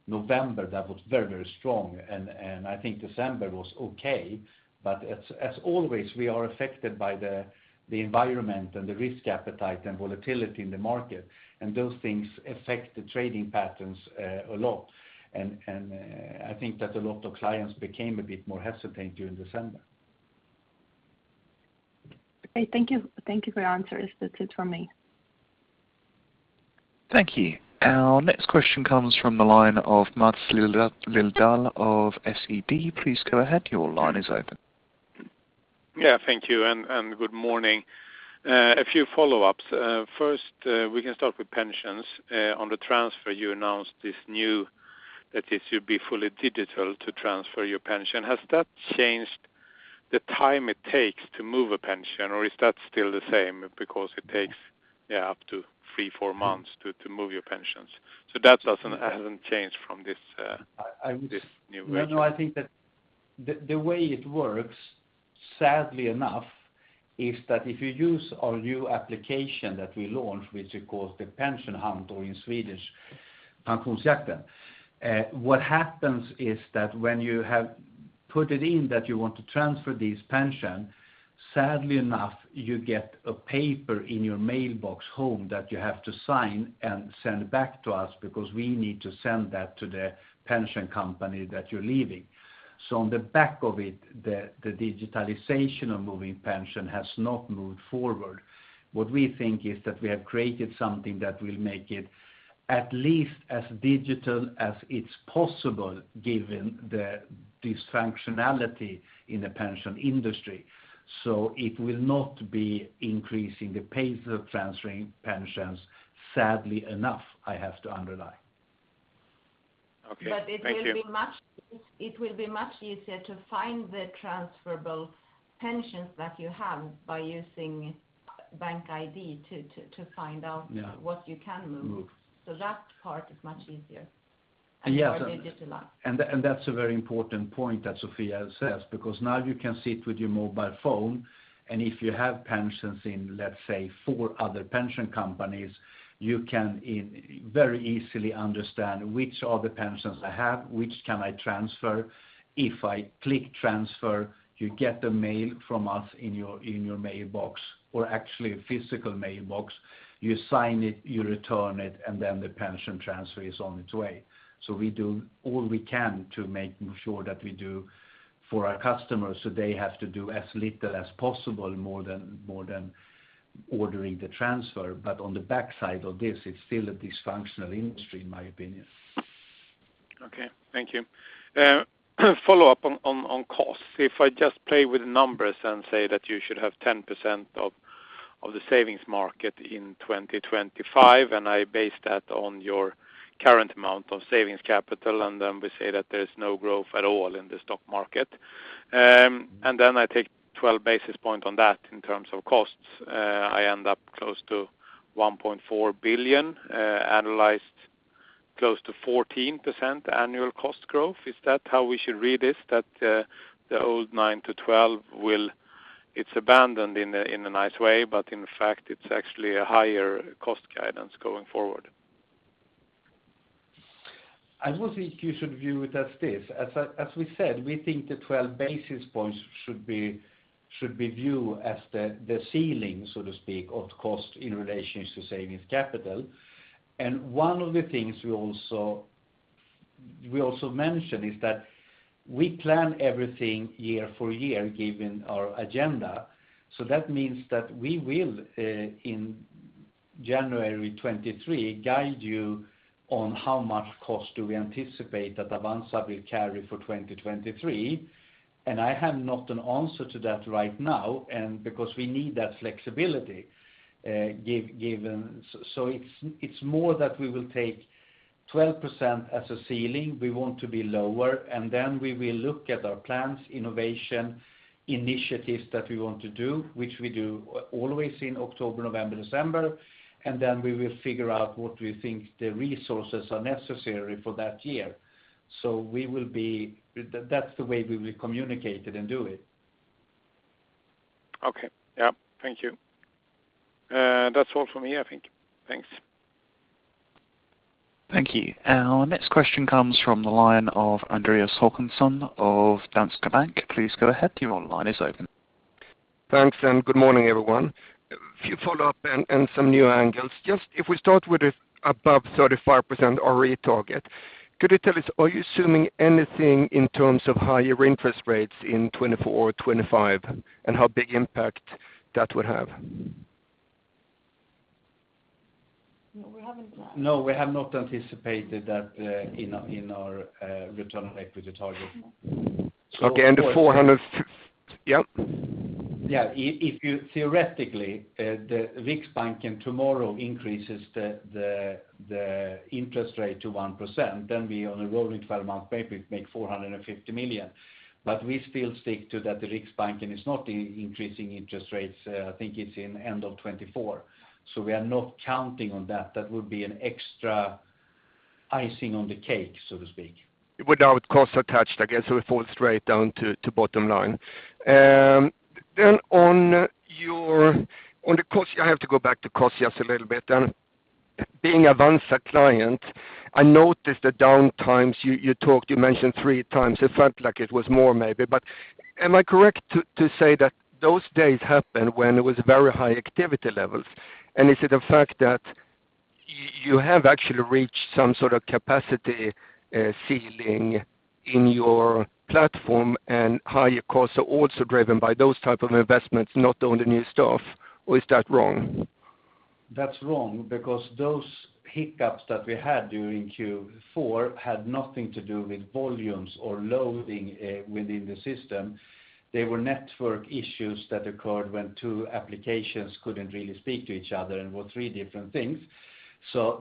November. That was very strong. I think December was okay. As always, we are affected by the environment and the risk appetite and volatility in the market, and those things affect the trading patterns a lot. I think that a lot of clients became a bit more hesitant during December. Okay. Thank you. Thank you for your answers. That's it from me. Thank you. Our next question comes from the line of Mats Liljedal of SEB. Please go ahead. Your line is open. Thank you, and good morning. A few follow-ups. First, we can start with pensions. On the transfer, you announced this new, that is you'd be fully digital to transfer your pension. Has that changed the time it takes to move a pension, or is that still the same? Because it takes up to 3-4 months to move your pensions. That hasn't changed from this new version. No, no, I think that the way it works, sadly enough, is that if you use our new application that we launched, which is called the Pension Hunt, or in Swedish, Pensionsjakten, what happens is that when you have put it in that you want to transfer this pension, sadly enough, you get a paper in your mailbox home that you have to sign and send back to us because we need to send that to the pension company that you're leaving. On the back of it, the digitalization of moving pension has not moved forward. What we think is that we have created something that will make it at least as digital as it's possible given the dysfunctionality in the pension industry. It will not be increasing the pace of transferring pensions, sadly enough, I have to underline. Okay. Thank you. It will be much easier to find the transferable pensions that you have by using BankID to find out. Yeah. what you can move. Move. That part is much easier. Yes. more digitalized. That's a very important point that Sofia says, because now you can sit with your mobile phone, and if you have pensions in, let's say, four other pension companies, you can very easily understand which are the pensions I have, which can I transfer. If I click transfer, you get the mail from us in your mailbox, or actually a physical mailbox. You sign it, you return it, and then the pension transfer is on its way. We do all we can to making sure that we do for our customers, so they have to do as little as possible more than ordering the transfer. On the backside of this, it's still a dysfunctional industry, in my opinion. Thank you. Follow-up on costs. If I just play with numbers and say that you should have 10% of the savings market in 2025, and I base that on your current amount of savings capital, and then we say that there's no growth at all in the stock market, and then I take 12 basis points on that in terms of costs, I end up close to 1.4 billion, annualized close to 14% annual cost growth. Is that how we should read this, that the old 9%-12% will It's abandoned in a nice way, but in fact it's actually a higher cost guidance going forward. I would think you should view it as this. As we said, we think the 12 basis points should be viewed as the ceiling, so to speak, of cost in relation to savings capital. One of the things we also mentioned is that we plan everything year for year given our agenda. That means that we will in January 2023 guide you on how much cost do we anticipate that Avanza will carry for 2023. I have not an answer to that right now and because we need that flexibility given. It's more that we will take 12% as a ceiling. We want to be lower, and then we will look at our plans, innovation initiatives that we want to do, which we do always in October, November, December. We will figure out what we think the resources are necessary for that year. That's the way we will communicate it and do it. Okay. Yeah. Thank you. That's all for me, I think. Thanks. Thank you. Our next question comes from the line of Andreas Håkansson of Danske Bank. Please go ahead. Your line is open. Thanks, good morning, everyone. A few follow-up and some new angles. Just if we start with the above 35% ROE target, could you tell us, are you assuming anything in terms of higher interest rates in 2024 or 2025, and how big impact that would have? No, we haven't planned. No, we have not anticipated that, in our return on equity target. Okay. The 400. Yep. Yeah. If you theoretically the Riksbanken tomorrow increases the interest rate to 1%, then we on a rolling twelve-month basis make 450 million. We still stick to that the Riksbanken is not increasing interest rates. I think it's in end of 2024. We are not counting on that. That would be an extra icing on the cake, so to speak. Without costs attached, I guess it would fall straight down to bottom line. On the cost, I have to go back to cost just a little bit. Being Avanza client, I noticed the downtimes. You mentioned three times. It felt like it was more maybe. But am I correct to say that those days happened when it was very high activity levels? And is it a fact that you have actually reached some sort of capacity ceiling in your platform and higher costs are also driven by those type of investments, not only new staff, or is that wrong? That's wrong because those hiccups that we had during Q4 had nothing to do with volumes or loading within the system. They were network issues that occurred when two applications couldn't really speak to each other and were three different things.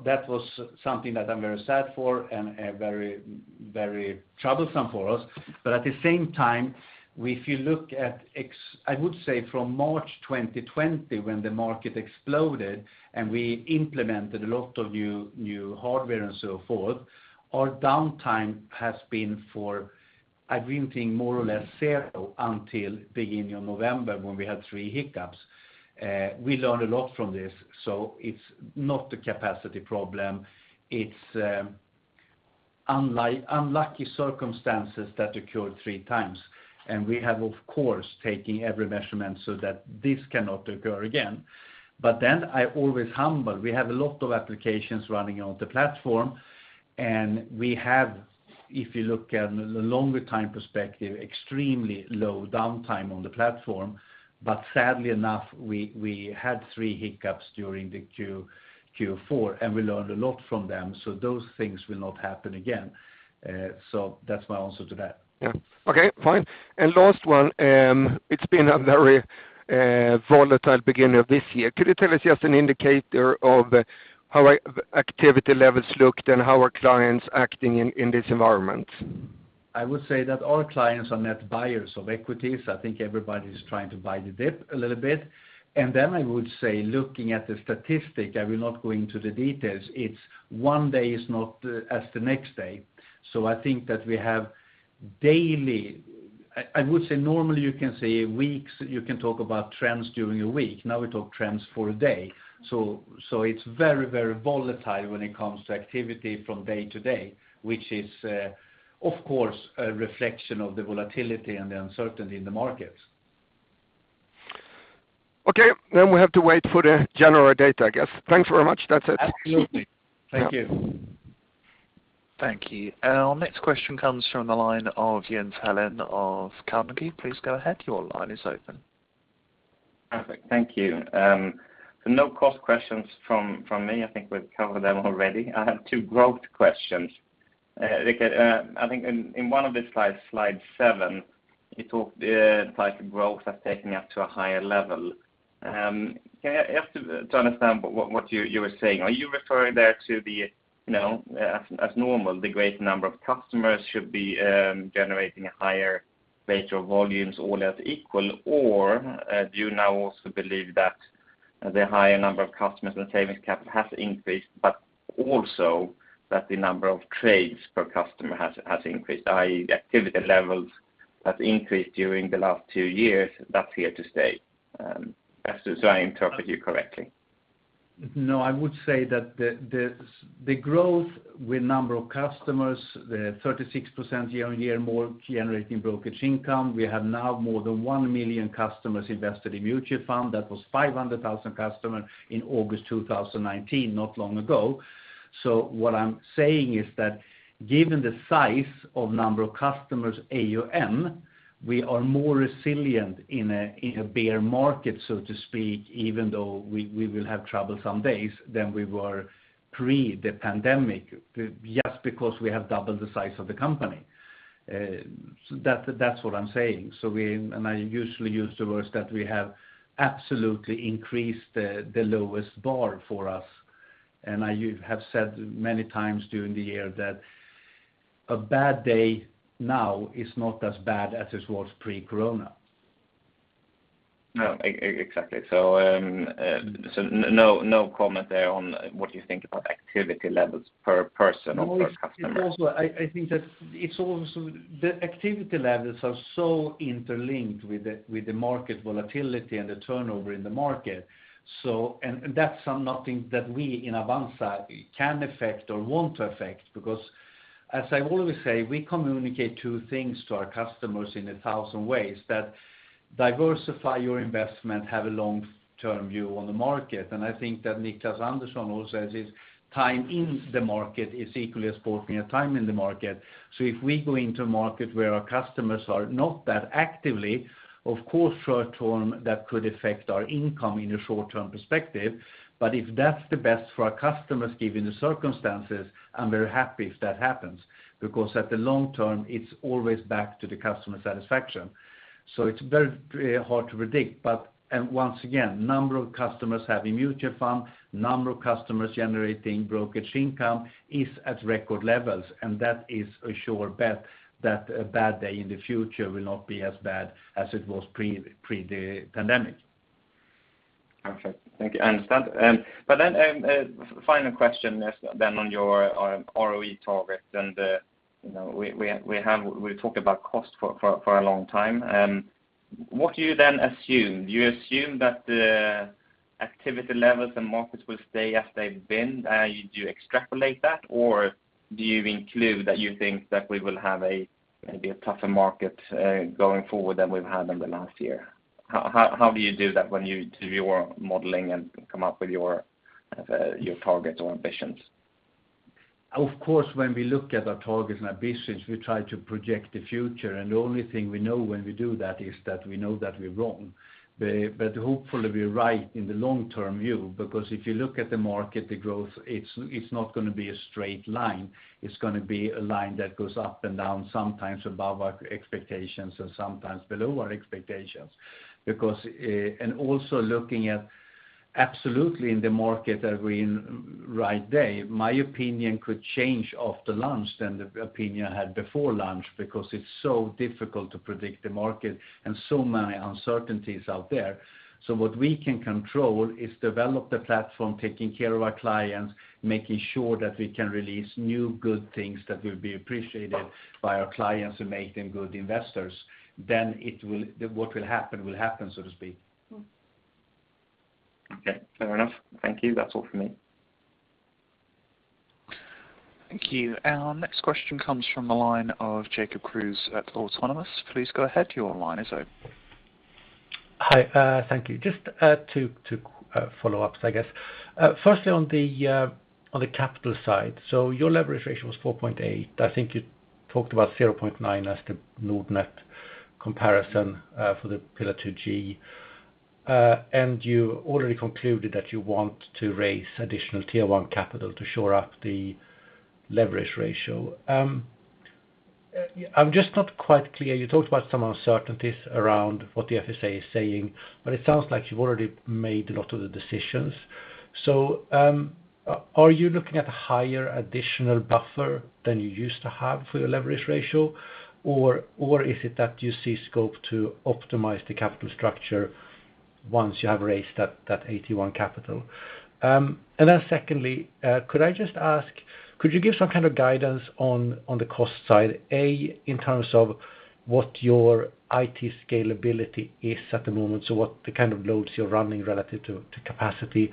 That was something that I'm very sad for and very, very troublesome for us. At the same time, if you look at, I would say from March 2020 when the market exploded and we implemented a lot of new hardware and so forth, our downtime has been, I've been thinking more or less zero until beginning of November when we had three hiccups. We learned a lot from this, so it's not a capacity problem. It's unlucky circumstances that occurred three times. We have of course taking every measurement so that this cannot occur again. I'm always humble. We have a lot of applications running on the platform, and we have, if you look at the longer time perspective, extremely low downtime on the platform. Sadly enough, we had three hiccups during Q4, and we learned a lot from them, so those things will not happen again. That's my answer to that. Yeah. Okay, fine. Last one, it's been a very volatile beginning of this year. Could you tell us just an indicator of how activity levels looked and how are clients acting in this environment? I would say that our clients are net buyers of equities. I think everybody's trying to buy the dip a little bit. I would say looking at the statistic, I will not go into the details, it's one day is not as the next day. I think that we have daily. I would say normally you can say weeks, you can talk about trends during a week. Now we talk trends for a day. It's very volatile when it comes to activity from day to day, which is of course a reflection of the volatility and the uncertainty in the markets. Okay. We have to wait for the January data, I guess. Thanks very much. That's it. Absolutely. Thank you. Thank you. Our next question comes from the line of Jens Hallén of Carnegie. Please go ahead. Your line is open. Perfect. Thank you. No cost questions from me. I think we've covered them already. I have 2 growth questions. Rikard, I think in one of the slides, slide 7, you talked type of growth as taking up to a higher level. Can I ask to understand what you were saying? Are you referring there to the, you know, as normal, the greater number of customers should be generating a higher rate of volumes all else equal? Or do you now also believe that the higher number of customers and savings capital has increased, but also that the number of trades per customer has increased, i.e., the activity levels have increased during the last 2 years, that's here to stay. So I interpret you correctly. No, I would say that the growth with number of customers, the 36% year-on-year more generating brokerage income, we have now more than 1 million customers invested in mutual fund. That was 500,000 customers in August 2019, not long ago. What I'm saying is that given the size of number of customers AUM, we are more resilient in a bear market, so to speak, even though we will have troublesome days than we were pre the pandemic, just because we have doubled the size of the company. That's what I'm saying. I usually use the words that we have absolutely increased the lowest bar for us. I have said many times during the year that a bad day now is not as bad as it was pre-corona. No. Exactly. No comment there on what you think about activity levels per person or per customer. It's also, I think, the activity levels are so interlinked with the market volatility and the turnover in the market. That's something that we in Avanza can affect or want to affect, because as I always say, we communicate two things to our customers in a thousand ways: diversify your investment, have a long-term view on the market. I think that Niklas Andersson also says, is time in the market is equally as important as timing the market. If we go into a market where our customers are not that active, of course short term, that could affect our income in a short-term perspective. If that's the best for our customers given the circumstances, I'm very happy if that happens, because in the long term, it's always back to the customer satisfaction. It's very hard to predict. Once again, number of customers have a mutual fund, number of customers generating brokerage income is at record levels, and that is a sure bet that a bad day in the future will not be as bad as it was pre the pandemic. Perfect. Thank you. I understand. Final question then on your ROE target and, you know, we talked about cost for a long time. What do you then assume? Do you assume that the activity levels and markets will stay as they've been? Do you extrapolate that or do you include that you think that we will have a maybe a tougher market going forward than we've had in the last year? How do you do that when you do your modeling and come up with your targets or ambitions? Of course, when we look at our targets and ambitions, we try to project the future, and the only thing we know when we do that is that we know that we're wrong. Hopefully we're right in the long-term view, because if you look at the market, the growth, it's not going to be a straight line. It's going to be a line that goes up and down, sometimes above our expectations and sometimes below our expectations. Looking at the volatility in the market that we're in right today, my opinion could change after lunch from the opinion I had before lunch, because it's so difficult to predict the market and so many uncertainties out there. What we can control is develop the platform, taking care of our clients, making sure that we can release new good things that will be appreciated by our clients and make them good investors. It will, what will happen will happen, so to speak. Okay, fair enough. Thank you. That's all for me. Thank you. Our next question comes from the line of Jacob Kruse at Autonomous Research. Please go ahead. Your line is open. Hi, thank you. Just two follow-ups, I guess. Firstly on the capital side. Your leverage ratio was 4.8. I think you talked about 0.9 as the Nordnet comparison for the Pillar 2G. You already concluded that you want to raise additional Tier 1 capital to shore up the leverage ratio. I'm just not quite clear. You talked about some uncertainties around what the FSA is saying, but it sounds like you've already made a lot of the decisions. Are you looking at a higher additional buffer than you used to have for your leverage ratio, or is it that you see scope to optimize the capital structure once you have raised that AT1 capital? Secondly, could I just ask, could you give some kind of guidance on the cost side, A, in terms of what your IT scalability is at the moment, so what kind of loads you're running relative to capacity?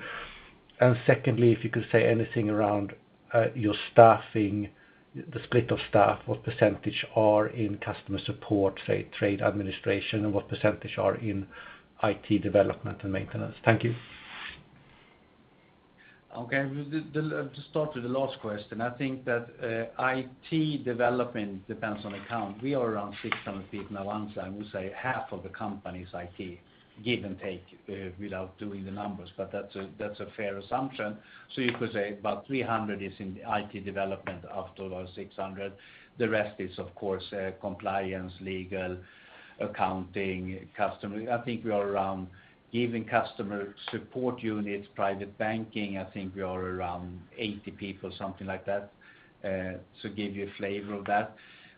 Secondly, if you could say anything around your staffing, the split of staff, what percentage are in customer support, say, trade administration, and what percentage are in IT development and maintenance? Thank you. Okay. To start with the last question, I think that IT development depends on account. We are around 600 people in Avanza, and we say half of the company is IT, give and take, without doing the numbers, but that's a fair assumption. You could say about 300 is in IT development out of our 600. The rest is of course compliance, legal, accounting, customer. I think we are around 20 in customer support units, Private Banking, I think we are around 80 people, something like that, to give you a flavor of that.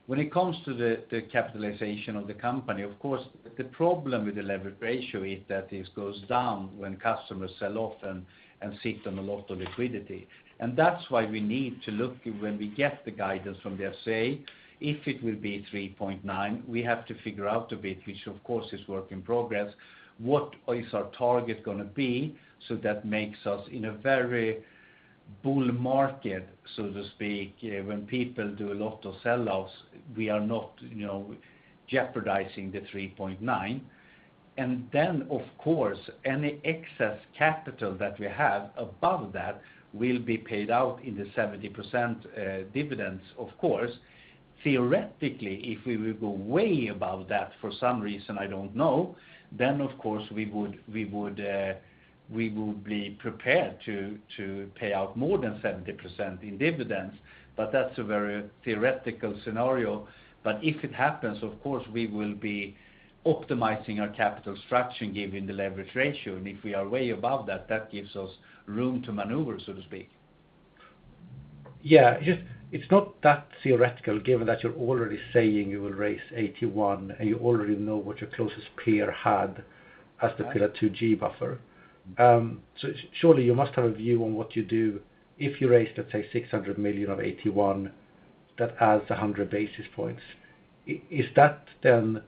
When it comes to the capitalization of the company, of course, the problem with the leverage ratio is that it goes down when customers sell off and sit on a lot of liquidity. That's why we need to look when we get the guidance from the FSA, if it will be 3.9%, we have to figure out a bit, which of course is work in progress. What is our target gonna be? That makes us in a very bull market, so to speak, when people do a lot of sell-offs, we are not, you know, jeopardizing the 3.9%. Then of course, any excess capital that we have above that will be paid out in the 70% dividends of course. Theoretically, if we will go way above that for some reason I don't know, then of course we would be prepared to pay out more than 70% in dividends, but that's a very theoretical scenario. If it happens, of course we will be optimizing our capital structure given the leverage ratio. If we are way above that gives us room to maneuver, so to speak. Yeah. It's not that theoretical given that you're already saying you will raise AT1, and you already know what your closest peer had as the Pillar 2G buffer. So surely you must have a view on what you do if you raise, let's say 600 million of AT1 that adds 100 basis points. Is that then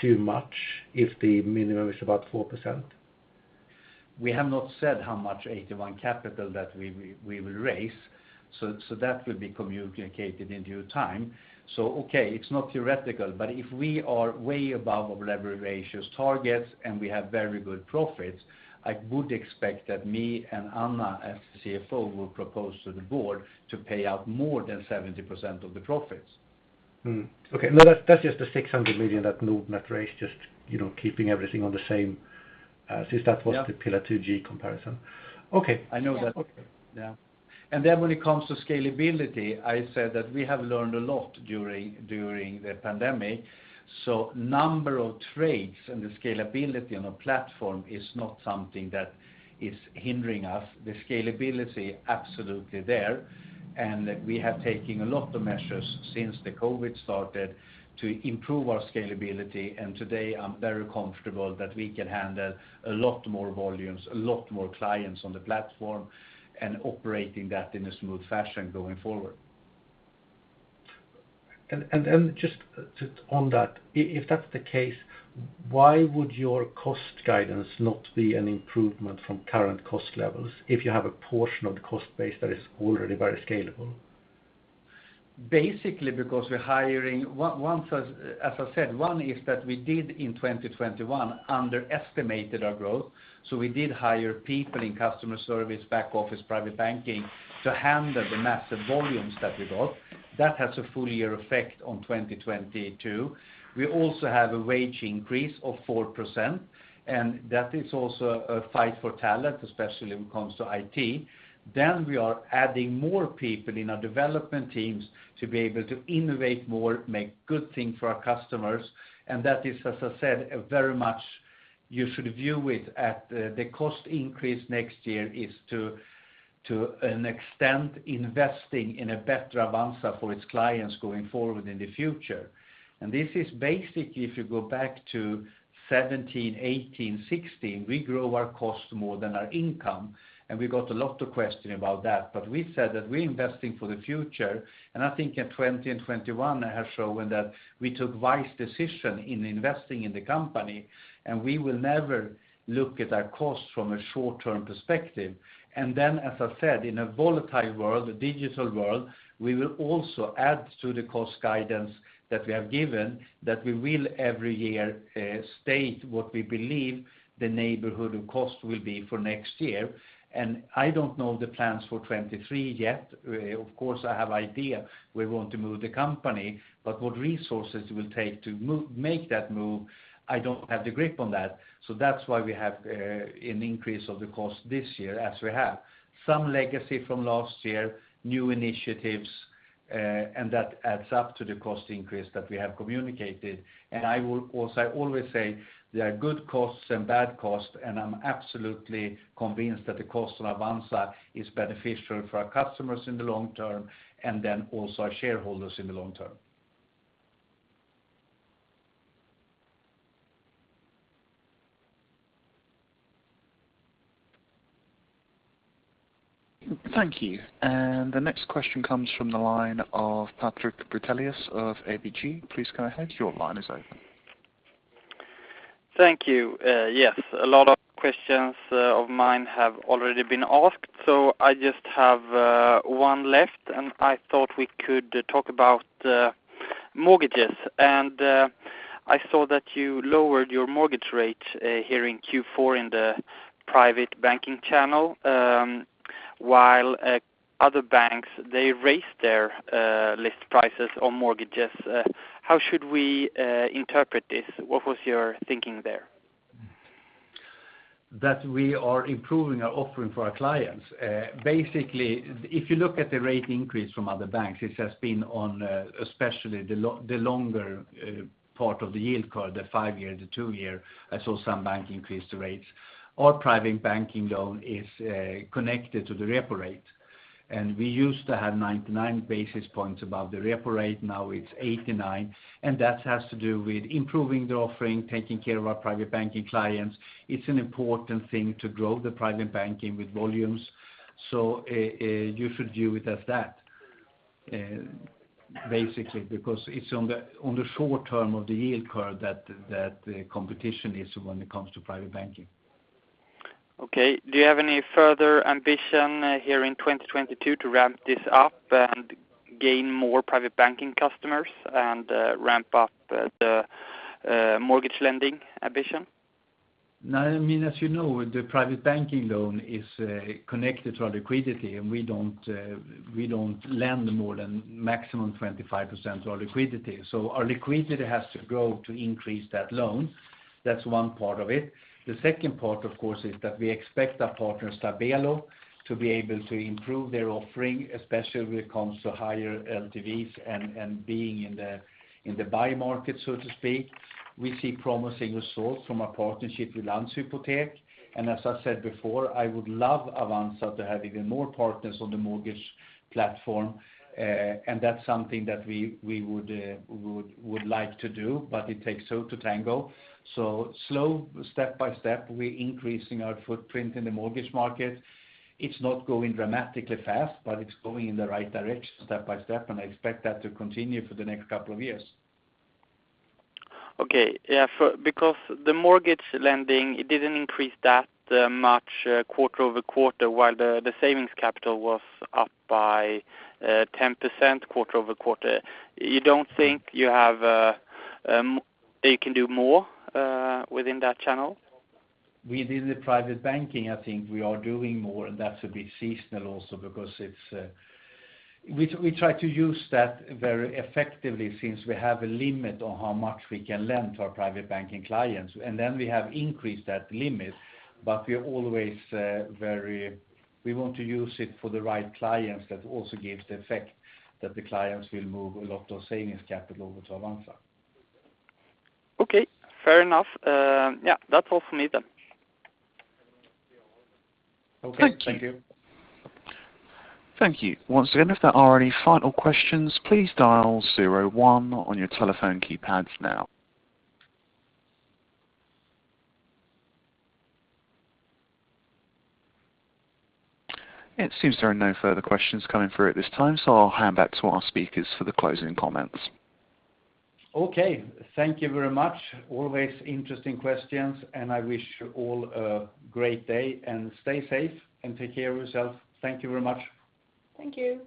too much if the minimum is about 4%? We have not said how much AT1 capital that we will raise, so that will be communicated in due time. Okay, it's not theoretical, but if we are way above our leverage ratio targets and we have very good profits, I would expect that me and Anna as the CFO will propose to the board to pay out more than 70% of the profits. Okay. No, that's just the 600 million that Nordnet raised just, you know, keeping everything on the same, since that was- Yeah the Pillar 2G comparison. Okay. I know that. Okay. Yeah. When it comes to scalability, I said that we have learned a lot during the pandemic. Number of trades and the scalability on our platform is not something that is hindering us. The scalability absolutely there, and we have taken a lot of measures since the COVID started to improve our scalability. Today I'm very comfortable that we can handle a lot more volumes, a lot more clients on the platform and operating that in a smooth fashion going forward. On that, if that's the case, why would your cost guidance not be an improvement from current cost levels if you have a portion of the cost base that is already very scalable? Basically because we're hiring. One, as I said, one is that we underestimated our growth in 2021, so we did hire people in customer service, back office, Private Banking to handle the massive volumes that we got. That has a full year effect on 2022. We also have a wage increase of 4%, and that is also a fight for talent, especially when it comes to IT. We are adding more people in our development teams to be able to innovate more, make good things for our customers. That is, as I said, very much you should view it as the cost increase next year is to an extent investing in a better Avanza for its clients going forward in the future. This is basically if you go back to 2017, 2018, 2016, we grow our cost more than our income, and we got a lot of question about that. We said that we're investing for the future, and I think in 2020 and 2021 has shown that we took wise decision in investing in the company, and we will never look at our costs from a short-term perspective. Then as I said, in a volatile world, a digital world, we will also add to the cost guidance that we have given that we will every year state what we believe the neighborhood of cost will be for next year. I don't know the plans for 2023 yet. Of course I have idea where we want to move the company. What resources it will take to make that move, I don't have the grip on that. That's why we have an increase of the cost this year as we have some legacy from last year, new initiatives, and that adds up to the cost increase that we have communicated. I will also always say there are good costs and bad costs, and I'm absolutely convinced that the cost on Avanza is beneficial for our customers in the long term and then also our shareholders in the long term. Thank you. The next question comes from the line of Patrik Brattelius of ABG. Please go ahead. Your line is open. Thank you. Yes, a lot of questions of mine have already been asked, so I just have one left, and I thought we could talk about mortgages. I saw that you lowered your mortgage rate here in Q4 in the Private Banking channel, while other banks they raised their list prices on mortgages. How should we interpret this? What was your thinking there? That we are improving our offering for our clients. Basically if you look at the rate increase from other banks, it has been on, especially the longer part of the yield curve, the five-year, the two-year, I saw some bank increase the rates. Our Private Banking loan is connected to the repo rate, and we used to have 99 basis points above the repo rate, now it's 89, and that has to do with improving the offering, taking care of our Private Banking clients. It's an important thing to grow the Private Banking with volumes. You should view it as that. Basically because it's on the short term of the yield curve that the competition is when it comes to Private Banking. Okay. Do you have any further ambition here in 2022 to ramp this up and gain more Private Banking customers and ramp up the mortgage lending ambition? No, I mean, as you know, the Private Banking loan is connected to our liquidity, and we don't lend more than maximum 25% to our liquidity. Our liquidity has to grow to increase that loan. That's one part of it. The second part, of course, is that we expect our partner Stabelo to be able to improve their offering, especially when it comes to higher LTVs and being in the buy market, so to speak. We see promising results from our partnership with Landshypotek. As I said before, I would love Avanza to have even more partners on the mortgage platform. That's something that we would like to do, but it takes two to tango. Slow step by step, we're increasing our footprint in the mortgage market. It's not going dramatically fast, but it's going in the right direction step by step, and I expect that to continue for the next couple of years. Okay. Yeah. Because the mortgage lending, it didn't increase that much quarter-over-quarter, while the savings capital was up by 10% quarter-over-quarter. You don't think that you can do more within that channel? Within the Private Banking, I think we are doing more, and that's a bit seasonal also because it's. We try to use that very effectively since we have a limit on how much we can lend to our Private Banking clients. We have increased that limit, but we're always we want to use it for the right clients that also gives the effect that the clients will move a lot of savings capital over to Avanza. Okay, fair enough. Yeah, that's all from me then. Okay. Thank you. Thank you. Once again, if there are any final questions, please dial zero one on your telephone keypads now. It seems there are no further questions coming through at this time, so I'll hand back to our speakers for the closing comments. Okay, thank you very much. Always interesting questions, and I wish you all a great day, and stay safe and take care of yourself. Thank you very much. Thank you.